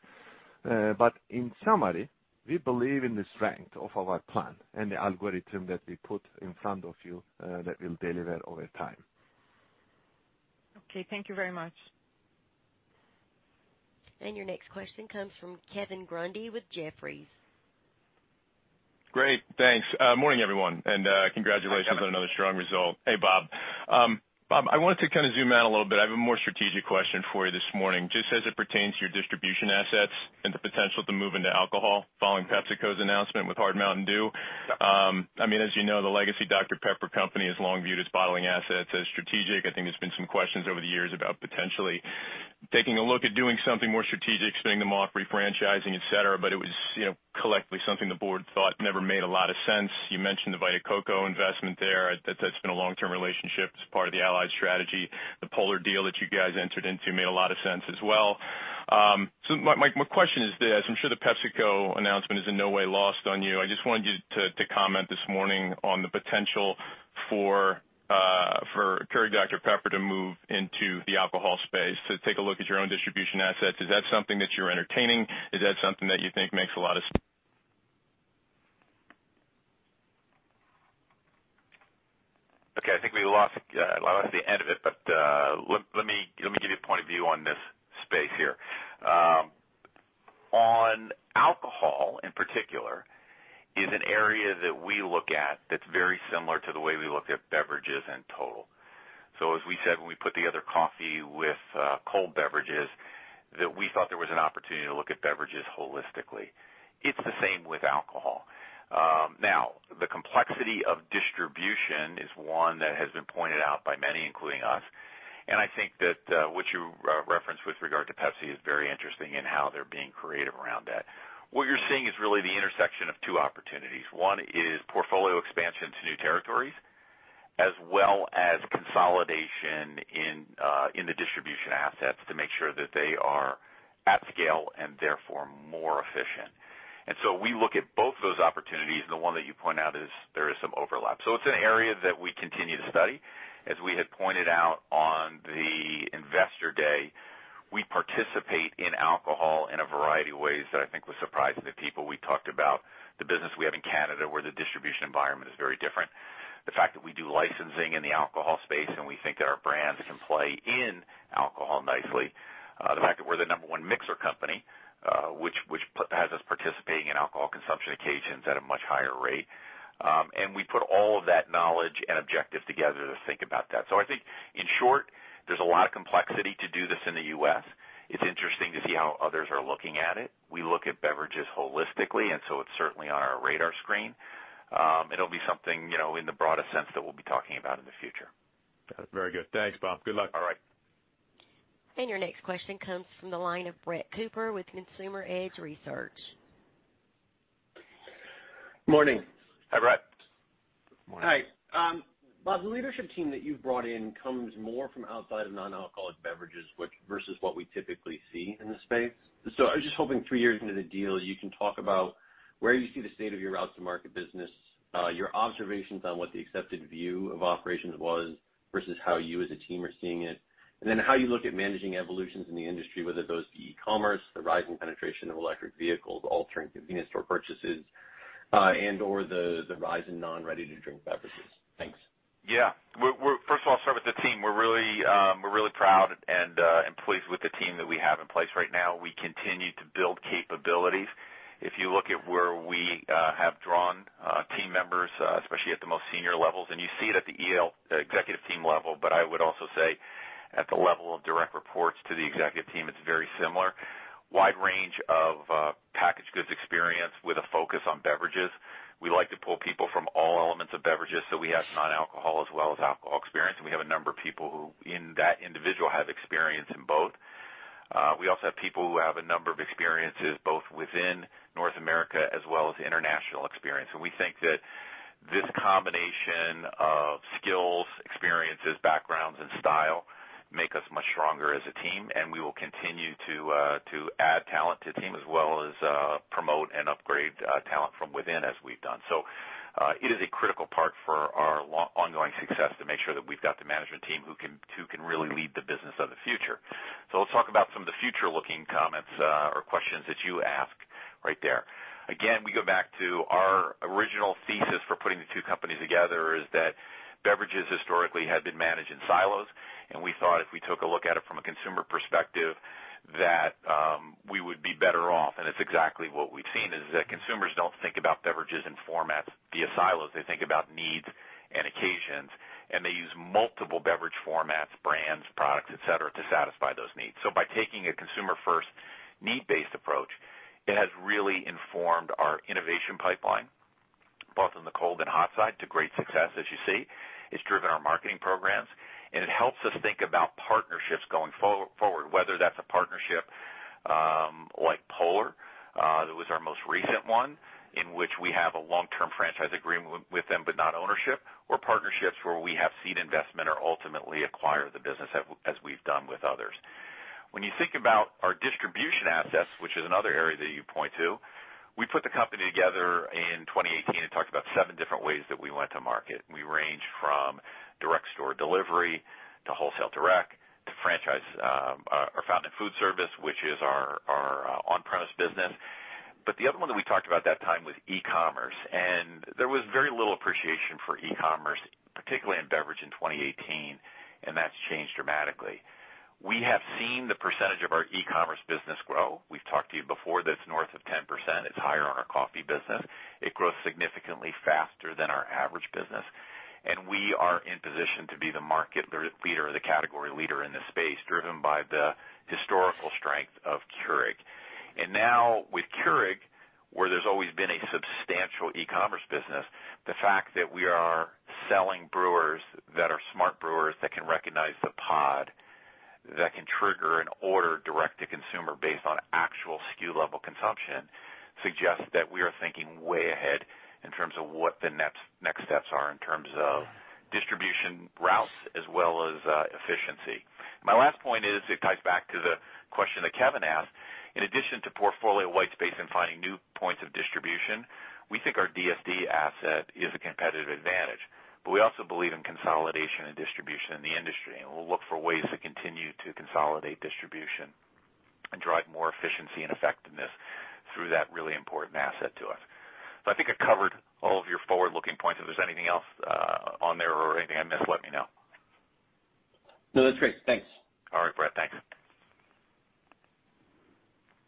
In summary, we believe in the strength of our plan and the algorithm that we put in front of you that will deliver over time. Okay, thank you very much. Your next question comes from Kevin Grundy with Jefferies. Great, thanks. Morning, everyone. Congratulations. Hi, Kevin. Congratulations on another strong result. Hey, Bob. Bob, I wanted to kind of zoom out a little bit. I have a more strategic question for you this morning. Just as it pertains to your distribution assets and the potential to move into alcohol following PepsiCo's announcement with HARD MTN DEW. I mean, as you know, the legacy Dr Pepper company has long viewed its bottling assets as strategic. I think there's been some questions over the years about potentially taking a look at doing something more strategic, spinning them off, refranchising, et cetera, but it was, you know, collectively something the board thought never made a lot of sense. You mentioned the Vita Coco investment there. That's been a long-term relationship. It's part of the Allied strategy. The Polar deal that you guys entered into made a lot of sense as well. My question is this: I'm sure the PepsiCo announcement is in no way lost on you. I just wanted you to comment this morning on the potential for Keurig Dr Pepper to move into the alcohol space, to take a look at your own distribution assets. Is that something that you're entertaining? Is that something that you think makes a lot of s- Okay, I think we lost the end of it, but let me give you a point of view on this space here. On alcohol in particular is an area that we look at that's very similar to the way we look at beverages in total. As we said, when we put together coffee with cold beverages, that we thought there was an opportunity to look at beverages holistically. It's the same with alcohol. Now, the complexity of distribution is one that has been pointed out by many, including us. I think that what you referenced with regard to Pepsi is very interesting in how they're being creative around that. What you're seeing is really the intersection of two opportunities. One is portfolio expansion to new territories, as well as consolidation in the distribution assets to make sure that they are at scale and therefore more efficient. We look at both those opportunities, and the one that you point out is there is some overlap. It's an area that we continue to study. As we had pointed out on the Investor Day, we participate in alcohol in a variety of ways that I think was surprising to people. We talked about the business we have in Canada, where the distribution environment is very different. The fact that we do licensing in the alcohol space, and we think that our brands can play in alcohol nicely. The fact that we're the number one mixer company, which has us participating in alcohol consumption occasions at a much higher rate. We put all of that knowledge and objective together to think about that. I think in short, there's a lot of complexity to do this in the U.S. It's interesting to see how others are looking at it. We look at beverages holistically, and so it's certainly on our radar screen. It'll be something, you know, in the broadest sense that we'll be talking about in the future. Got it. Very good. Thanks, Bob. Good luck. All right. Your next question comes from the line of Brett Cooper with Consumer Edge Research. Morning. Hi, Brett. Good morning. Hi. Bob, the leadership team that you've brought in comes more from outside of non-alcoholic beverages, which versus what we typically see in the space. I was just hoping three years into the deal, you can talk about where you see the state of your route to market business, your observations on what the accepted view of operations was versus how you as a team are seeing it, and then how you look at managing evolutions in the industry, whether those be e-commerce, the rising penetration of electric vehicles, altering convenience store purchases, and/or the rise in non-ready-to-drink beverages. Thanks. Yeah. First of all, I'll start with the team. We're really proud and pleased with the team that we have in place right now. We continue to build capabilities. If you look at where we have drawn team members, especially at the most senior levels, and you see it at the ELT, executive team level, but I would also say at the level of direct reports to the executive team, it's very similar. Wide range of packaged goods experience with a focus on beverages. We like to pull people from all elements of beverages, so we have non-alcoholic as well as alcohol experience, and we have a number of people who individually have experience in both. We also have people who have a number of experiences, both within North America as well as international experience. We think that this combination of skills, experiences, backgrounds, and style make us much stronger as a team, and we will continue to add talent to the team as well as promote and upgrade talent from within as we've done. It is a critical part for our ongoing success to make sure that we've got the management team who can really lead the business of the future. Let's talk about some of the future-looking comments or questions that you ask right there. Again, we go back to our original thesis for putting the two companies together is that beverages historically had been managed in silos, and we thought if we took a look at it from a consumer perspective, that we would be better off. It's exactly what we've seen, is that consumers don't think about beverages in formats via silos. They think about needs and occasions, and they use multiple beverage formats, brands, products, et cetera, to satisfy those needs. By taking a consumer-first need-based approach, it has really informed our innovation pipeline both in the cold and hot side to great success as you see. It's driven our marketing programs, and it helps us think about partnerships going forward, whether that's a partnership, like Polar, that was our most recent one, in which we have a long-term franchise agreement with them, but not ownership, or partnerships where we have seed investment or ultimately acquire the business as we've done with others. When you think about our distribution assets, which is another area that you point to, we put the company together in 2018 and talked about 7 different ways that we went to market. We range from direct store delivery to wholesale direct to franchise, our Fountain Foodservice, which is our on-premise business. The other one that we talked about that time was e-commerce. There was very little appreciation for e-commerce, particularly in beverage in 2018, and that's changed dramatically. We have seen the percentage of our e-commerce business grow. We've talked to you before that it's north of 10%. It's higher on our coffee business. It grows significantly faster than our average business. We are in position to be the market leader or the category leader in this space, driven by the historical strength of Keurig. Now with Keurig, where there's always been a substantial e-commerce business, the fact that we are selling brewers that are smart brewers that can recognize the pod, that can trigger and order direct to consumer based on actual SKU level consumption, suggests that we are thinking way ahead in terms of what the next steps are in terms of distribution routes as well as efficiency. My last point is, it ties back to the question that Kevin asked. In addition to portfolio white space and finding new points of distribution, we think our DSD asset is a competitive advantage. But we also believe in consolidation and distribution in the industry, and we'll look for ways to continue to consolidate distribution and drive more efficiency and effectiveness through that really important asset to us. So I think I covered all of your forward-looking points. If there's anything else, on there or anything I missed, let me know. No, that's great. Thanks. All right, Brett. Thanks.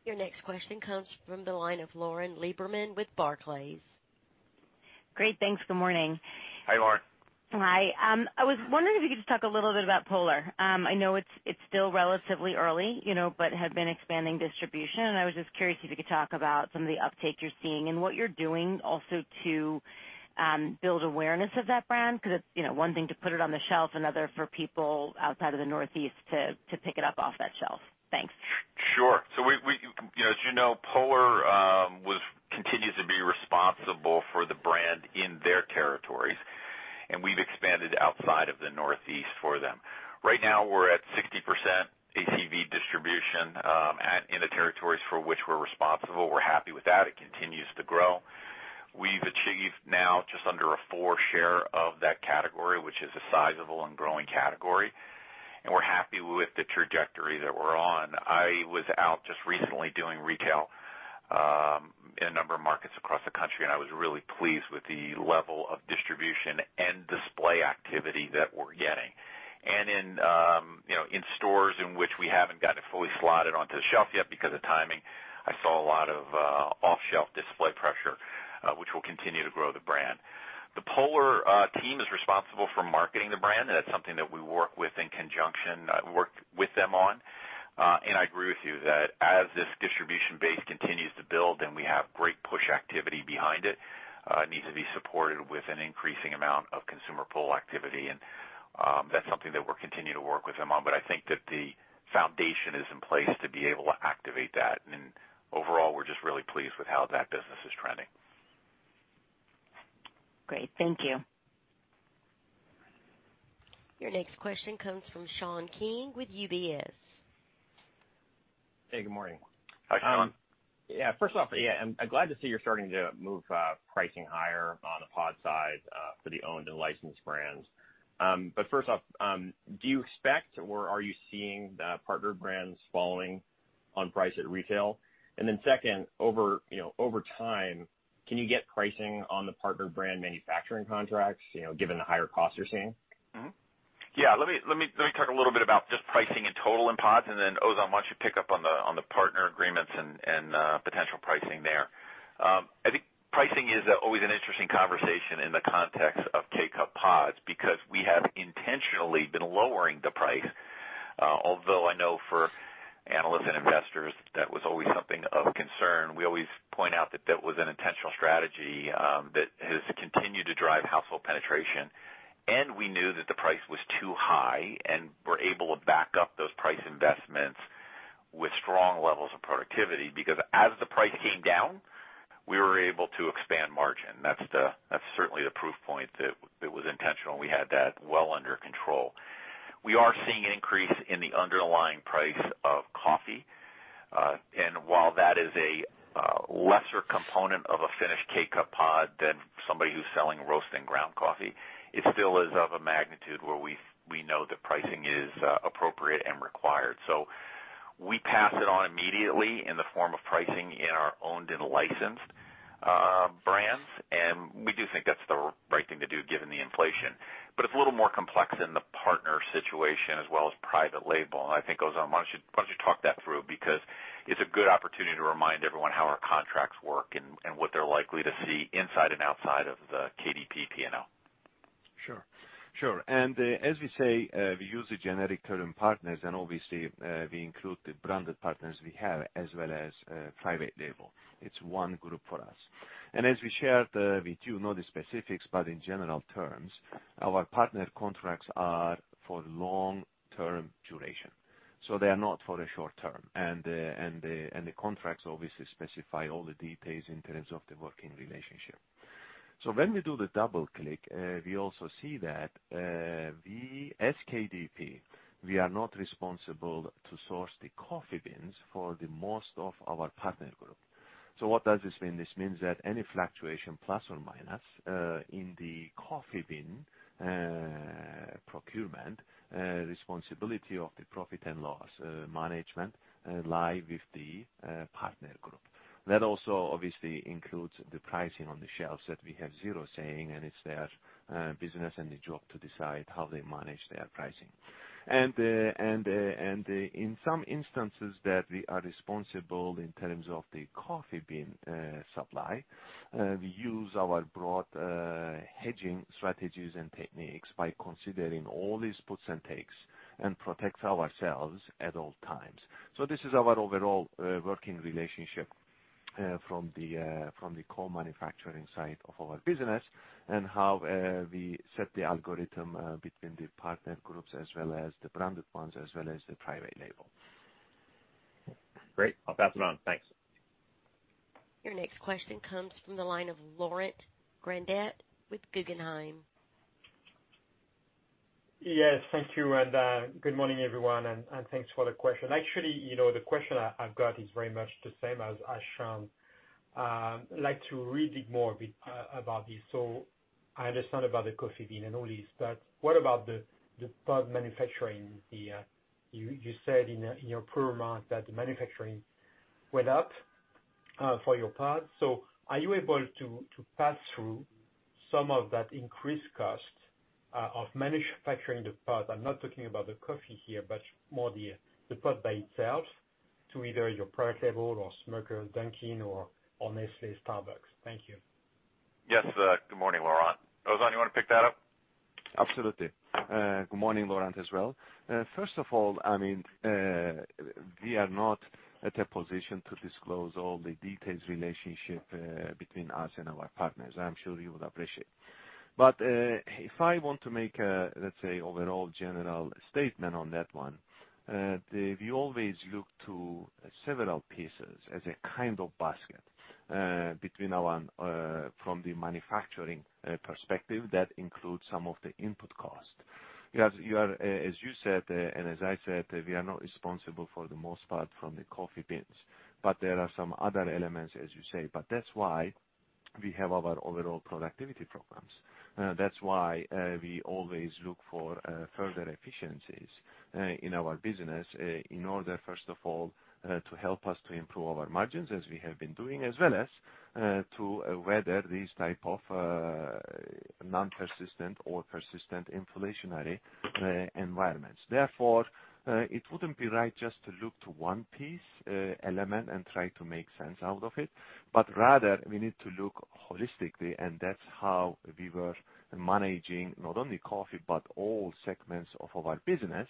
Your next question comes from the line of Lauren Lieberman with Barclays. Great, thanks. Good morning. Hi, Lauren. Hi. I was wondering if you could just talk a little bit about Polar. I know it's still relatively early, you know, but you have been expanding distribution. I was just curious if you could talk about some of the uptake you're seeing and what you're doing also to build awareness of that brand, because it's, you know, one thing to put it on the shelf, another for people outside of the Northeast to pick it up off that shelf. Thanks. Sure. As you know, Polar continues to be responsible for the brand in their territories, and we've expanded outside of the Northeast for them. Right now, we're at 60% ACV distribution in the territories for which we're responsible. We're happy with that. It continues to grow. We've achieved now just under a 4% share of that category, which is a sizable and growing category, and we're happy with the trajectory that we're on. I was out just recently doing retail in a number of markets across the country, and I was really pleased with the level of distribution and display activity that we're getting. In, you know, in stores in which we haven't gotten fully slotted onto the shelf yet because of timing, I saw a lot of off-shelf display pressure, which will continue to grow the brand. The Polar team is responsible for marketing the brand, and that's something that we work with them on. I agree with you that as this distribution base continues to build, then we have great push activity behind it. It needs to be supported with an increasing amount of consumer pull activity. That's something that we're continuing to work with them on. I think that the foundation is in place to be able to activate that. Overall, we're just really pleased with how that business is trending. Great. Thank you. Your next question comes from Sean King with UBS. Hey, good morning. Hi, Sean. First off, I'm glad to see you're starting to move pricing higher on the pod side for the owned and licensed brands. First off, do you expect or are you seeing the partner brands following on price at retail? Then second, over time, can you get pricing on the partner brand manufacturing contracts, you know, given the higher costs you're seeing? Mm-hmm. Yeah. Let me talk a little bit about just pricing in total in pods, and then Ozan, why don't you pick up on the partner agreements and potential pricing there. I think pricing is always an interesting conversation in the context of K-Cup pods because we have intentionally been lowering the price. Although I know for analysts and investors, that was always something of concern. We always point out that that was an intentional strategy that has continued to drive household penetration. We knew that the price was too high and we're able to back up those price investments with strong levels of productivity because as the price came down, we were able to expand margin. That's certainly the proof point that it was intentional, and we had that well under control. We are seeing an increase in the underlying price of coffee. While that is a lesser component of a finished K-Cup pod than somebody who's selling roast and ground coffee, it still is of a magnitude where we know the pricing is appropriate and required. We pass it on immediately in the form of pricing in our owned and licensed brands, and we do think that's the right thing to do given the inflation. It's a little more complex in the partner situation as well as private label. I think Ozan, why don't you talk that through? Because it's a good opportunity to remind everyone how our contracts work and what they're likely to see inside and outside of the KDP P&L. Sure, sure. As we say, we use the generic term partners, and obviously, we include the branded partners we have as well as private label. It's one group for us. As we shared with you, not the specifics, but in general terms, our partner contracts are for long-term duration. They are not for the short term. The contracts obviously specify all the details in terms of the working relationship. When we do the double click, we also see that we as KDP, we are not responsible to source the coffee beans for the most of our partner group. What does this mean? This means that any fluctuation, plus or minus, in the coffee bean procurement responsibility of the profit and loss management lie with the partner group. That also obviously includes the pricing on the shelves that we have zero say in, and it's their business and the job to decide how they manage their pricing. In some instances that we are responsible in terms of the coffee bean supply, we use our broad hedging strategies and techniques by considering all these puts and takes and protect ourselves at all times. This is our overall working relationship from the core manufacturing side of our business and how we set the algorithm between the partner groups as well as the branded ones, as well as the private label. Great. I'll pass it on. Thanks. Your next question comes from the line of Laurent Grandet with Guggenheim. Yes, thank you, good morning, everyone, and thanks for the question. Actually, you know, the question I've got is very much the same as Sean. I'd like to elaborate a bit more about this. I understand about the coffee bean and all this, but what about the pod manufacturing? You said in your prepared remarks that the manufacturing went up for your pods. Are you able to pass through some of that increased cost of manufacturing the pod? I'm not talking about the coffee here, but more the pod by itself to either your private label or Smucker, Dunkin' or Nestlé, Starbucks. Thank you. Yes. Good morning, Laurent. Ozan, you wanna pick that up? Absolutely. Good morning, Laurent, as well. First of all, I mean, we are not at a position to disclose all the details of the relationship between us and our partners. I'm sure you would appreciate. If I want to make a, let's say, overall general statement on that one, we always look to several pieces as a kind of basket from the manufacturing perspective that includes some of the input costs. You are, as you said, and as I said, we are not responsible for most of the coffee beans, but there are some other elements, as you say. That's why we have our overall productivity programs. That's why we always look for further efficiencies in our business in order, first of all, to help us to improve our margins as we have been doing, as well as to weather these type of non-persistent or persistent inflationary environments. Therefore, it wouldn't be right just to look to one piece element and try to make sense out of it, but rather we need to look holistically, and that's how we were managing not only coffee, but all segments of our business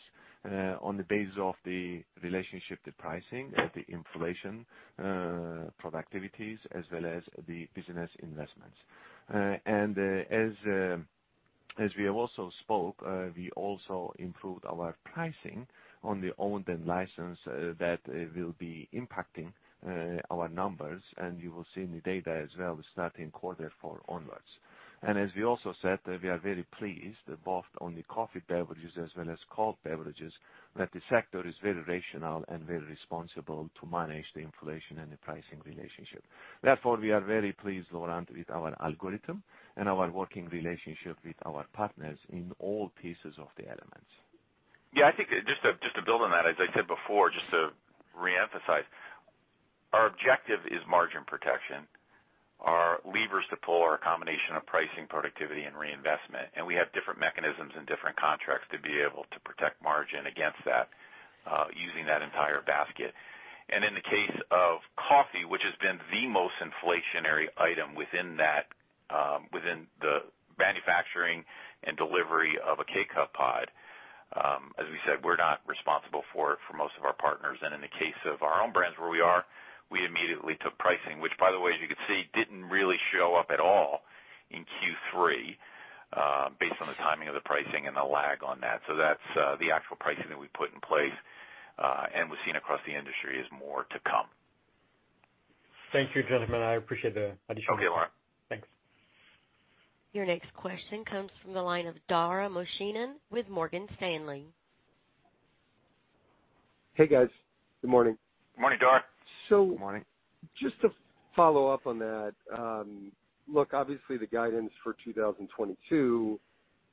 on the basis of the relationship to pricing, the inflation productivities, as well as the business investments. As we have also spoke, we also improved our pricing on the owned and licensed that will be impacting our numbers. You will see in the data as well, starting quarter four onwards. As we also said, we are very pleased both on the coffee beverages as well as cold beverages, that the sector is very rational and very responsible to manage the inflation and the pricing relationship. Therefore, we are very pleased, Laurent, with our algorithm and our working relationship with our partners in all pieces of the elements. Yeah, I think just to build on that, as I said before, just to reemphasize, our objective is margin protection. Our levers to pull are a combination of pricing, productivity and reinvestment, and we have different mechanisms and different contracts to be able to protect margin against that, using that entire basket. In the case of coffee, which has been the most inflationary item within that, within the manufacturing and delivery of a K-Cup pod, as we said, we're not responsible for it for most of our partners. In the case of our own brands where we are, we immediately took pricing, which by the way, as you can see, didn't really show up at all in Q3, based on the timing of the pricing and the lag on that. That's the actual pricing that we put in place, and we've seen across the industry is more to come. Thank you, gentlemen. I appreciate the additional color. Okay, Laurent. Thanks. Your next question comes from the line of Dara Mohsenian with Morgan Stanley. Hey, guys. Good morning. Good morning, Dara. Good morning. Just to follow up on that, look, obviously the guidance for 2022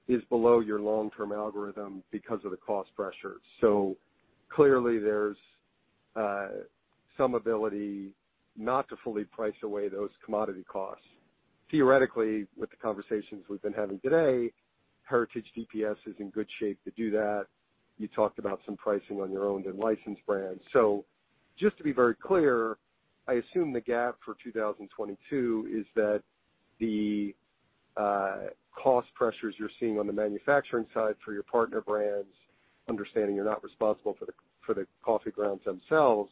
is below your long-term algorithm because of the cost pressures. Clearly there's some ability not to fully price away those commodity costs. Theoretically, with the conversations we've been having today, Heritage DPS is in good shape to do that. You talked about some pricing on your owned and licensed brands. Just to be very clear, I assume the gap for 2022 is that the cost pressures you're seeing on the manufacturing side for your partner brands, understanding you're not responsible for the coffee grounds themselves,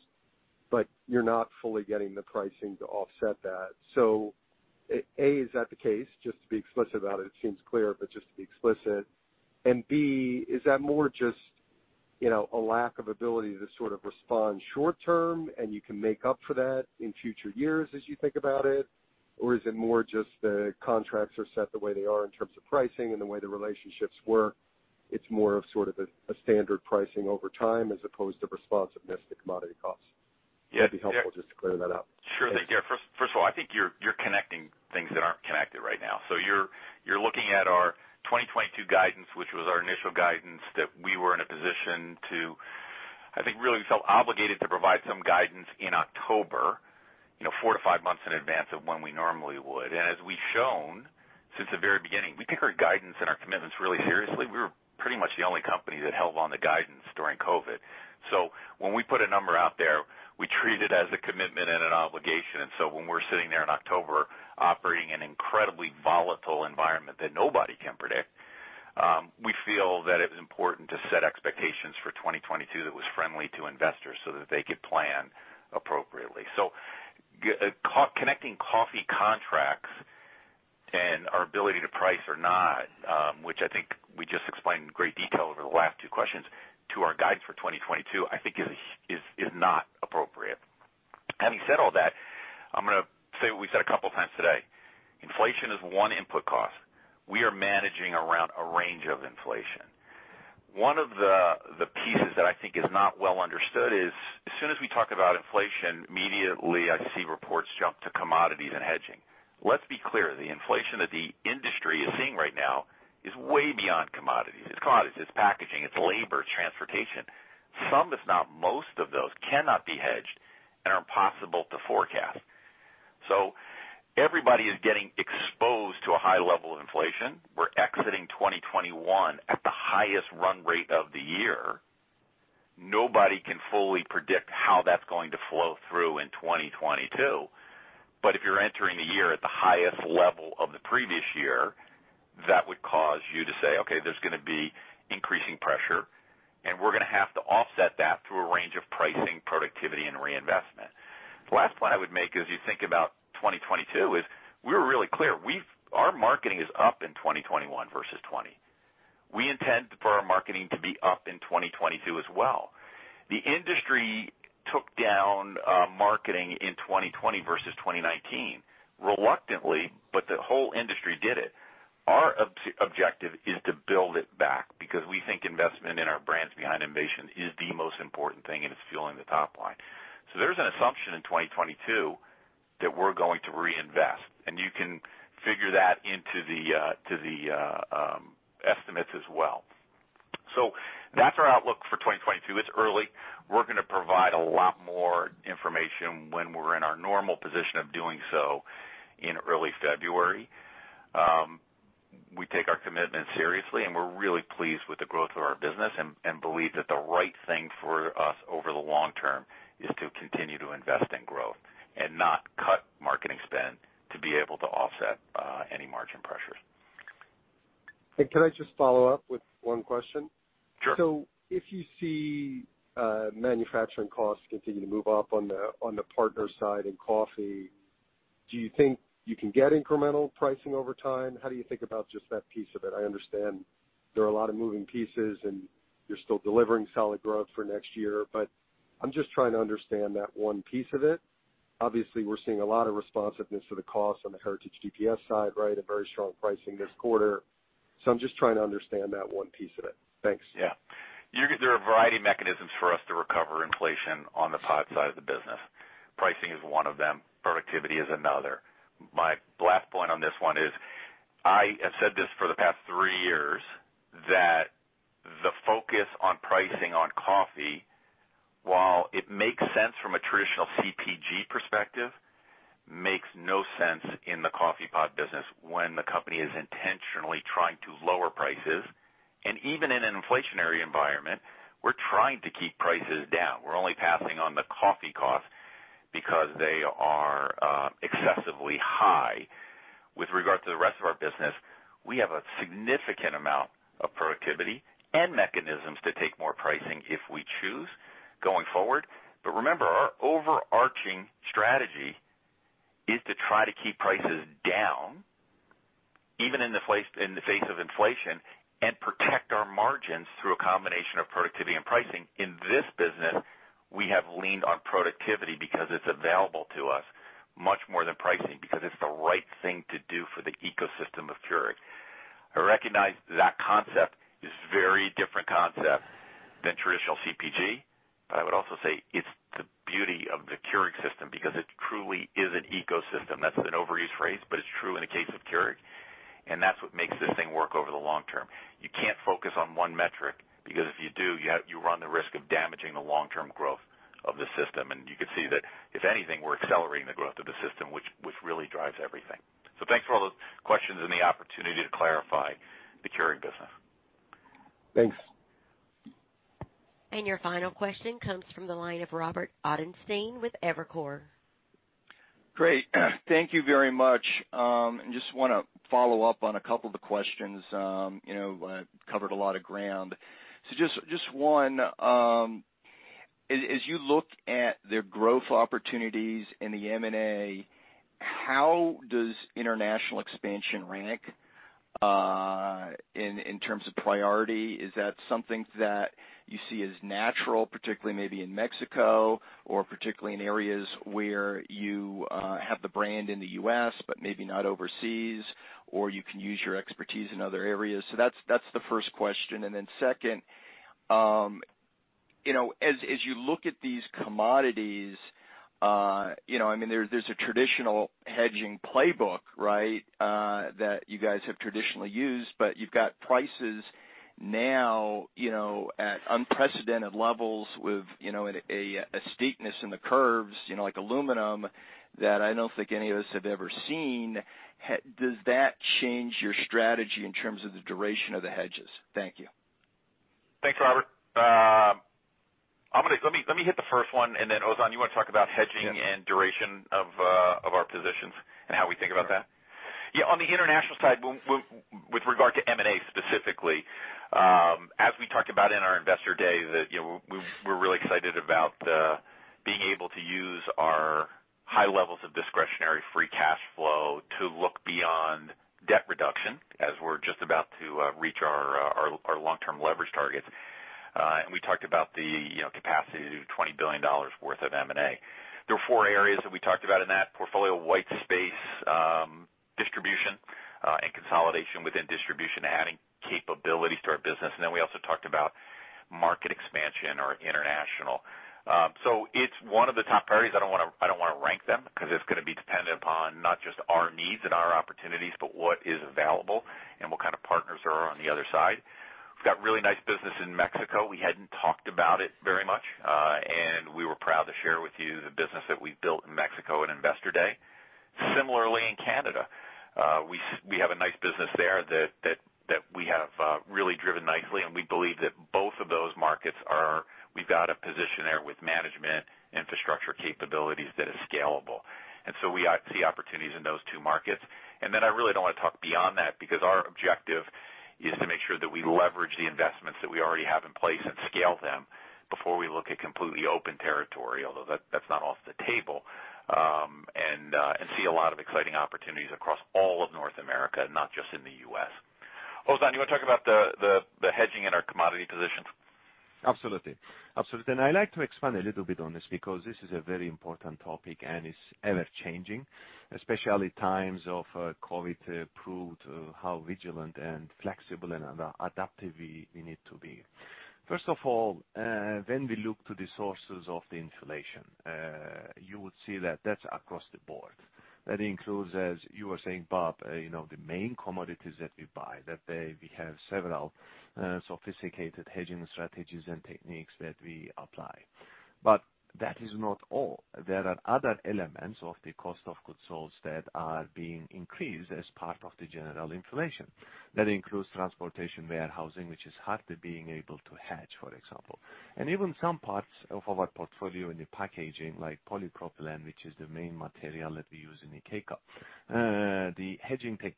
but you're not fully getting the pricing to offset that. A, is that the case? Just to be explicit about it. It seems clear, but just to be explicit. B, is that more just, you know, a lack of ability to sort of respond short term and you can make up for that in future years as you think about it? Or is it more just the contracts are set the way they are in terms of pricing and the way the relationships work, it's more of sort of a standard pricing over time as opposed to responsiveness to commodity costs. Yeah. It'd be helpful just to clear that up. Sure thing. Yeah. First of all, I think you're connecting things that aren't connected right now. You're looking at our 2022 guidance, which was our initial guidance that we were in a position to, I think, really felt obligated to provide some guidance in October, you know, 4-5 months in advance of when we normally would. As we've shown since the very beginning, we take our guidance and our commitments really seriously. We were pretty much the only company that held on the guidance during COVID. When we put a number out there, we treat it as a commitment and an obligation. When we're sitting there in October operating an incredibly volatile environment that nobody can predict, we feel that it was important to set expectations for 2022 that was friendly to investors so that they could plan appropriately. Connecting coffee contracts and our ability to price or not, which I think we just explained in great detail over the last two questions to our guidance for 2022, I think is not appropriate. Having said all that, I'm gonna say what we said a couple times today. Inflation is one input cost. We are managing around a range of inflation. One of the pieces that I think is not well understood is as soon as we talk about inflation, immediately I see reports jump to commodities and hedging. Let's be clear, the inflation that the industry is seeing right now is way beyond commodities. It's commodities, it's packaging, it's labor, transportation. Some, if not most of those cannot be hedged and are impossible to forecast. Everybody is getting exposed to a high level of inflation. We're exiting 2021 at the highest run rate of the year. Nobody can fully predict how that's going to flow through in 2022. If you're entering the year at the highest level of the previous year, that would cause you to say, "Okay, there's gonna be increasing pressure, and we're gonna have to offset that through a range of pricing, productivity, and reinvestment." The last point I would make as you think about 2022 is we were really clear. Our marketing is up in 2021 versus 2020. We intend for our marketing to be up in 2022 as well. The industry took down marketing in 2020 versus 2019 reluctantly, but the whole industry did it. Our objective is to build it back because we think investment in our brands behind innovation is the most important thing, and it's fueling the top line. There's an assumption in 2022 that we're going to reinvest, and you can figure that into the estimates as well. That's our outlook for 2022. It's early. We're gonna provide a lot more information when we're in our normal position of doing so in early February. We take our commitment seriously, and we're really pleased with the growth of our business and believe that the right thing for us over the long term is to continue to invest in growth and not cut marketing spend to be able to offset any margin pressures. Can I just follow up with one question? Sure. If you see manufacturing costs continue to move up on the partner side in coffee, do you think you can get incremental pricing over time? How do you think about just that piece of it? I understand there are a lot of moving pieces and you're still delivering solid growth for next year, but I'm just trying to understand that one piece of it. Obviously, we're seeing a lot of responsiveness to the cost on the Heritage DPS side, right? A very strong pricing this quarter. I'm just trying to understand that one piece of it. Thanks. Yeah. There are a variety of mechanisms for us to recover inflation on the pod side of the business. Pricing is one of them. Productivity is another. My last point on this one is I have said this for the past three years, that the focus on pricing on coffee, while it makes sense from a traditional CPG perspective, makes no sense in the coffee pod business when the company is intentionally trying to lower prices. Even in an inflationary environment, we're trying to keep prices down. We're only passing on the coffee costs because they are excessively high. With regard to the rest of our business, we have a significant amount of productivity and mechanisms to take more pricing if we choose going forward. Remember, our overarching strategy is to try to keep prices down, even in the face of inflation, and protect our margins through a combination of productivity and pricing. In this business, we have leaned on productivity because it's available to us much more than pricing because it's the right thing to do for the ecosystem of Keurig. I recognize that concept is a very different concept than traditional CPG, but I would also say it's the beauty of the Keurig system because it truly is an ecosystem. That's an overused phrase, but it's true in the case of Keurig, and that's what makes this thing work over the long term. You can't focus on one metric because if you do, you run the risk of damaging the long-term growth of the system. You can see that if anything, we're accelerating the growth of the system which really drives everything. Thanks for all those questions and the opportunity to clarify the Keurig business. Thanks. Your final question comes from the line of Robert Ottenstein with Evercore. Great. Thank you very much. Just want to follow up on a couple of the questions, you know, covered a lot of ground. Just one, as you look at their growth opportunities in the M&A, how does international expansion rank in terms of priority? Is that something that you see as natural, particularly maybe in Mexico, or particularly in areas where you have the brand in the U.S., but maybe not overseas, or you can use your expertise in other areas? That's the first question. Second, you know, as you look at these commodities, you know, I mean, there's a traditional hedging playbook, right? that you guys have traditionally used, but you've got prices now, you know, at unprecedented levels with, you know, a steepness in the curves, you know, like aluminum that I don't think any of us have ever seen. Does that change your strategy in terms of the duration of the hedges? Thank you. Thanks, Robert. Let me hit the first one, and then, Ozan, you wanna talk about hedging.. Yeah. ...duration of our positions and how we think about that. Sure. Yeah. On the international side, with regard to M&A specifically, as we talked about in our Investor Day that, you know, we're really excited about being able to use our high levels of discretionary free cash flow to look beyond debt reduction as we're just about to reach our long-term leverage targets. We talked about the, you know, capacity to do $20 billion worth of M&A. There are four areas that we talked about in that portfolio, white space, distribution, and consolidation within distribution, adding capabilities to our business. We also talked about market expansion or international. It's one of the top priorities. I don't wanna rank them 'cause it's gonna be dependent upon not just our needs and our opportunities, but what is available and what kind of partners are on the other side. We've got really nice business in Mexico. We hadn't talked about it very much, and we were proud to share with you the business that we've built in Mexico at Investor Day. Similarly, in Canada, we have a nice business there that we have really driven nicely, and we believe that both of those markets are. We've got a position there with management infrastructure capabilities that is scalable. We see opportunities in those two markets. I really don't wanna talk beyond that because our objective is to make sure that we leverage the investments that we already have in place and scale them before we look at completely open territory, although that's not off the table, and see a lot of exciting opportunities across all of North America, not just in the U.S. Ozan, you wanna talk about the hedging in our commodity positions? Absolutely. I like to expand a little bit on this because this is a very important topic, and it's ever-changing, especially in times of COVID, which proved how vigilant and flexible and adaptive we need to be. First of all, when we look to the sources of the inflation, you would see that that's across the board. That includes, as you were saying, Bob, you know, the main commodities that we buy. We have several sophisticated hedging strategies and techniques that we apply. That is not all. There are other elements of the cost of goods sold that are being increased as part of the general inflation. That includes transportation, warehousing, which is hard to hedge, for example. Even some parts of our portfolio in the packaging, like polypropylene, which is the main material that we use in the K-Cup.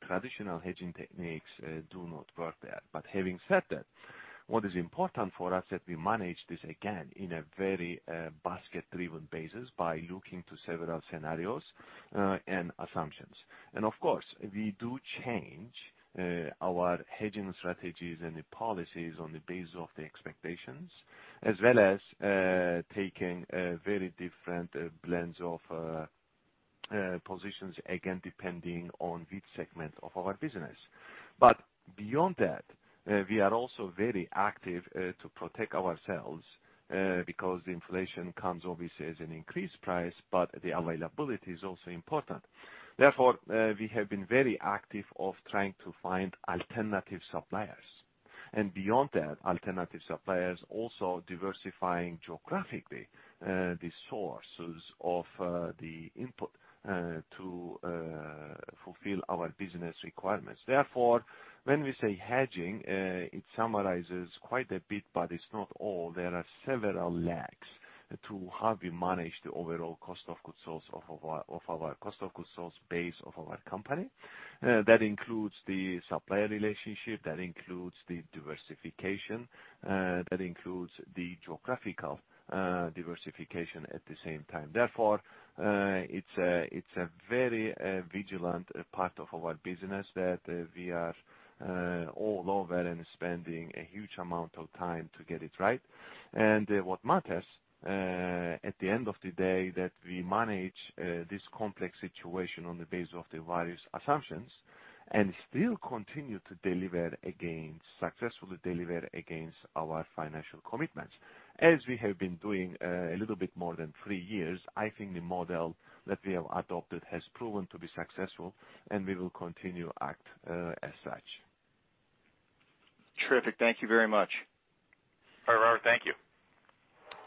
Traditional hedging techniques do not work there. Having said that, what is important for us that we manage this, again, in a very basket-driven basis by looking to several scenarios and assumptions. Of course, we do change our hedging strategies and the policies on the basis of the expectations, as well as taking very different blends of positions, again, depending on which segment of our business. Beyond that, we are also very active to protect ourselves because inflation comes obviously as an increased price, but the availability is also important. Therefore, we have been very active in trying to find alternative suppliers. Beyond that, alternative suppliers also diversifying geographically the sources of the input to fulfill our business requirements. Therefore, when we say hedging, it summarizes quite a bit, but it's not all. There are several lags to how we manage the overall cost of goods sold of our cost of goods sold base of our company. That includes the supplier relationship, that includes the diversification, that includes the geographical diversification at the same time. Therefore, it's a very vigilant part of our business that we are all over and spending a huge amount of time to get it right. What matters, at the end of the day, that we manage this complex situation on the basis of the various assumptions and still successfully deliver against our financial commitments. As we have been doing a little bit more than three years, I think the model that we have adopted has proven to be successful, and we will continue to act as such. Terrific. Thank you very much. All right, Robert. Thank you.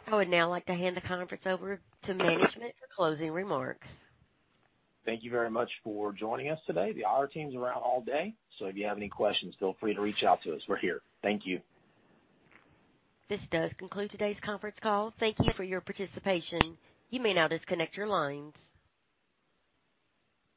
I would now like to hand the conference over to management for closing remarks. Thank you very much for joining us today. The IR team's around all day, so if you have any questions, feel free to reach out to us. We're here. Thank you. This does conclude today's conference call. Thank you for your participation. You may now disconnect your lines.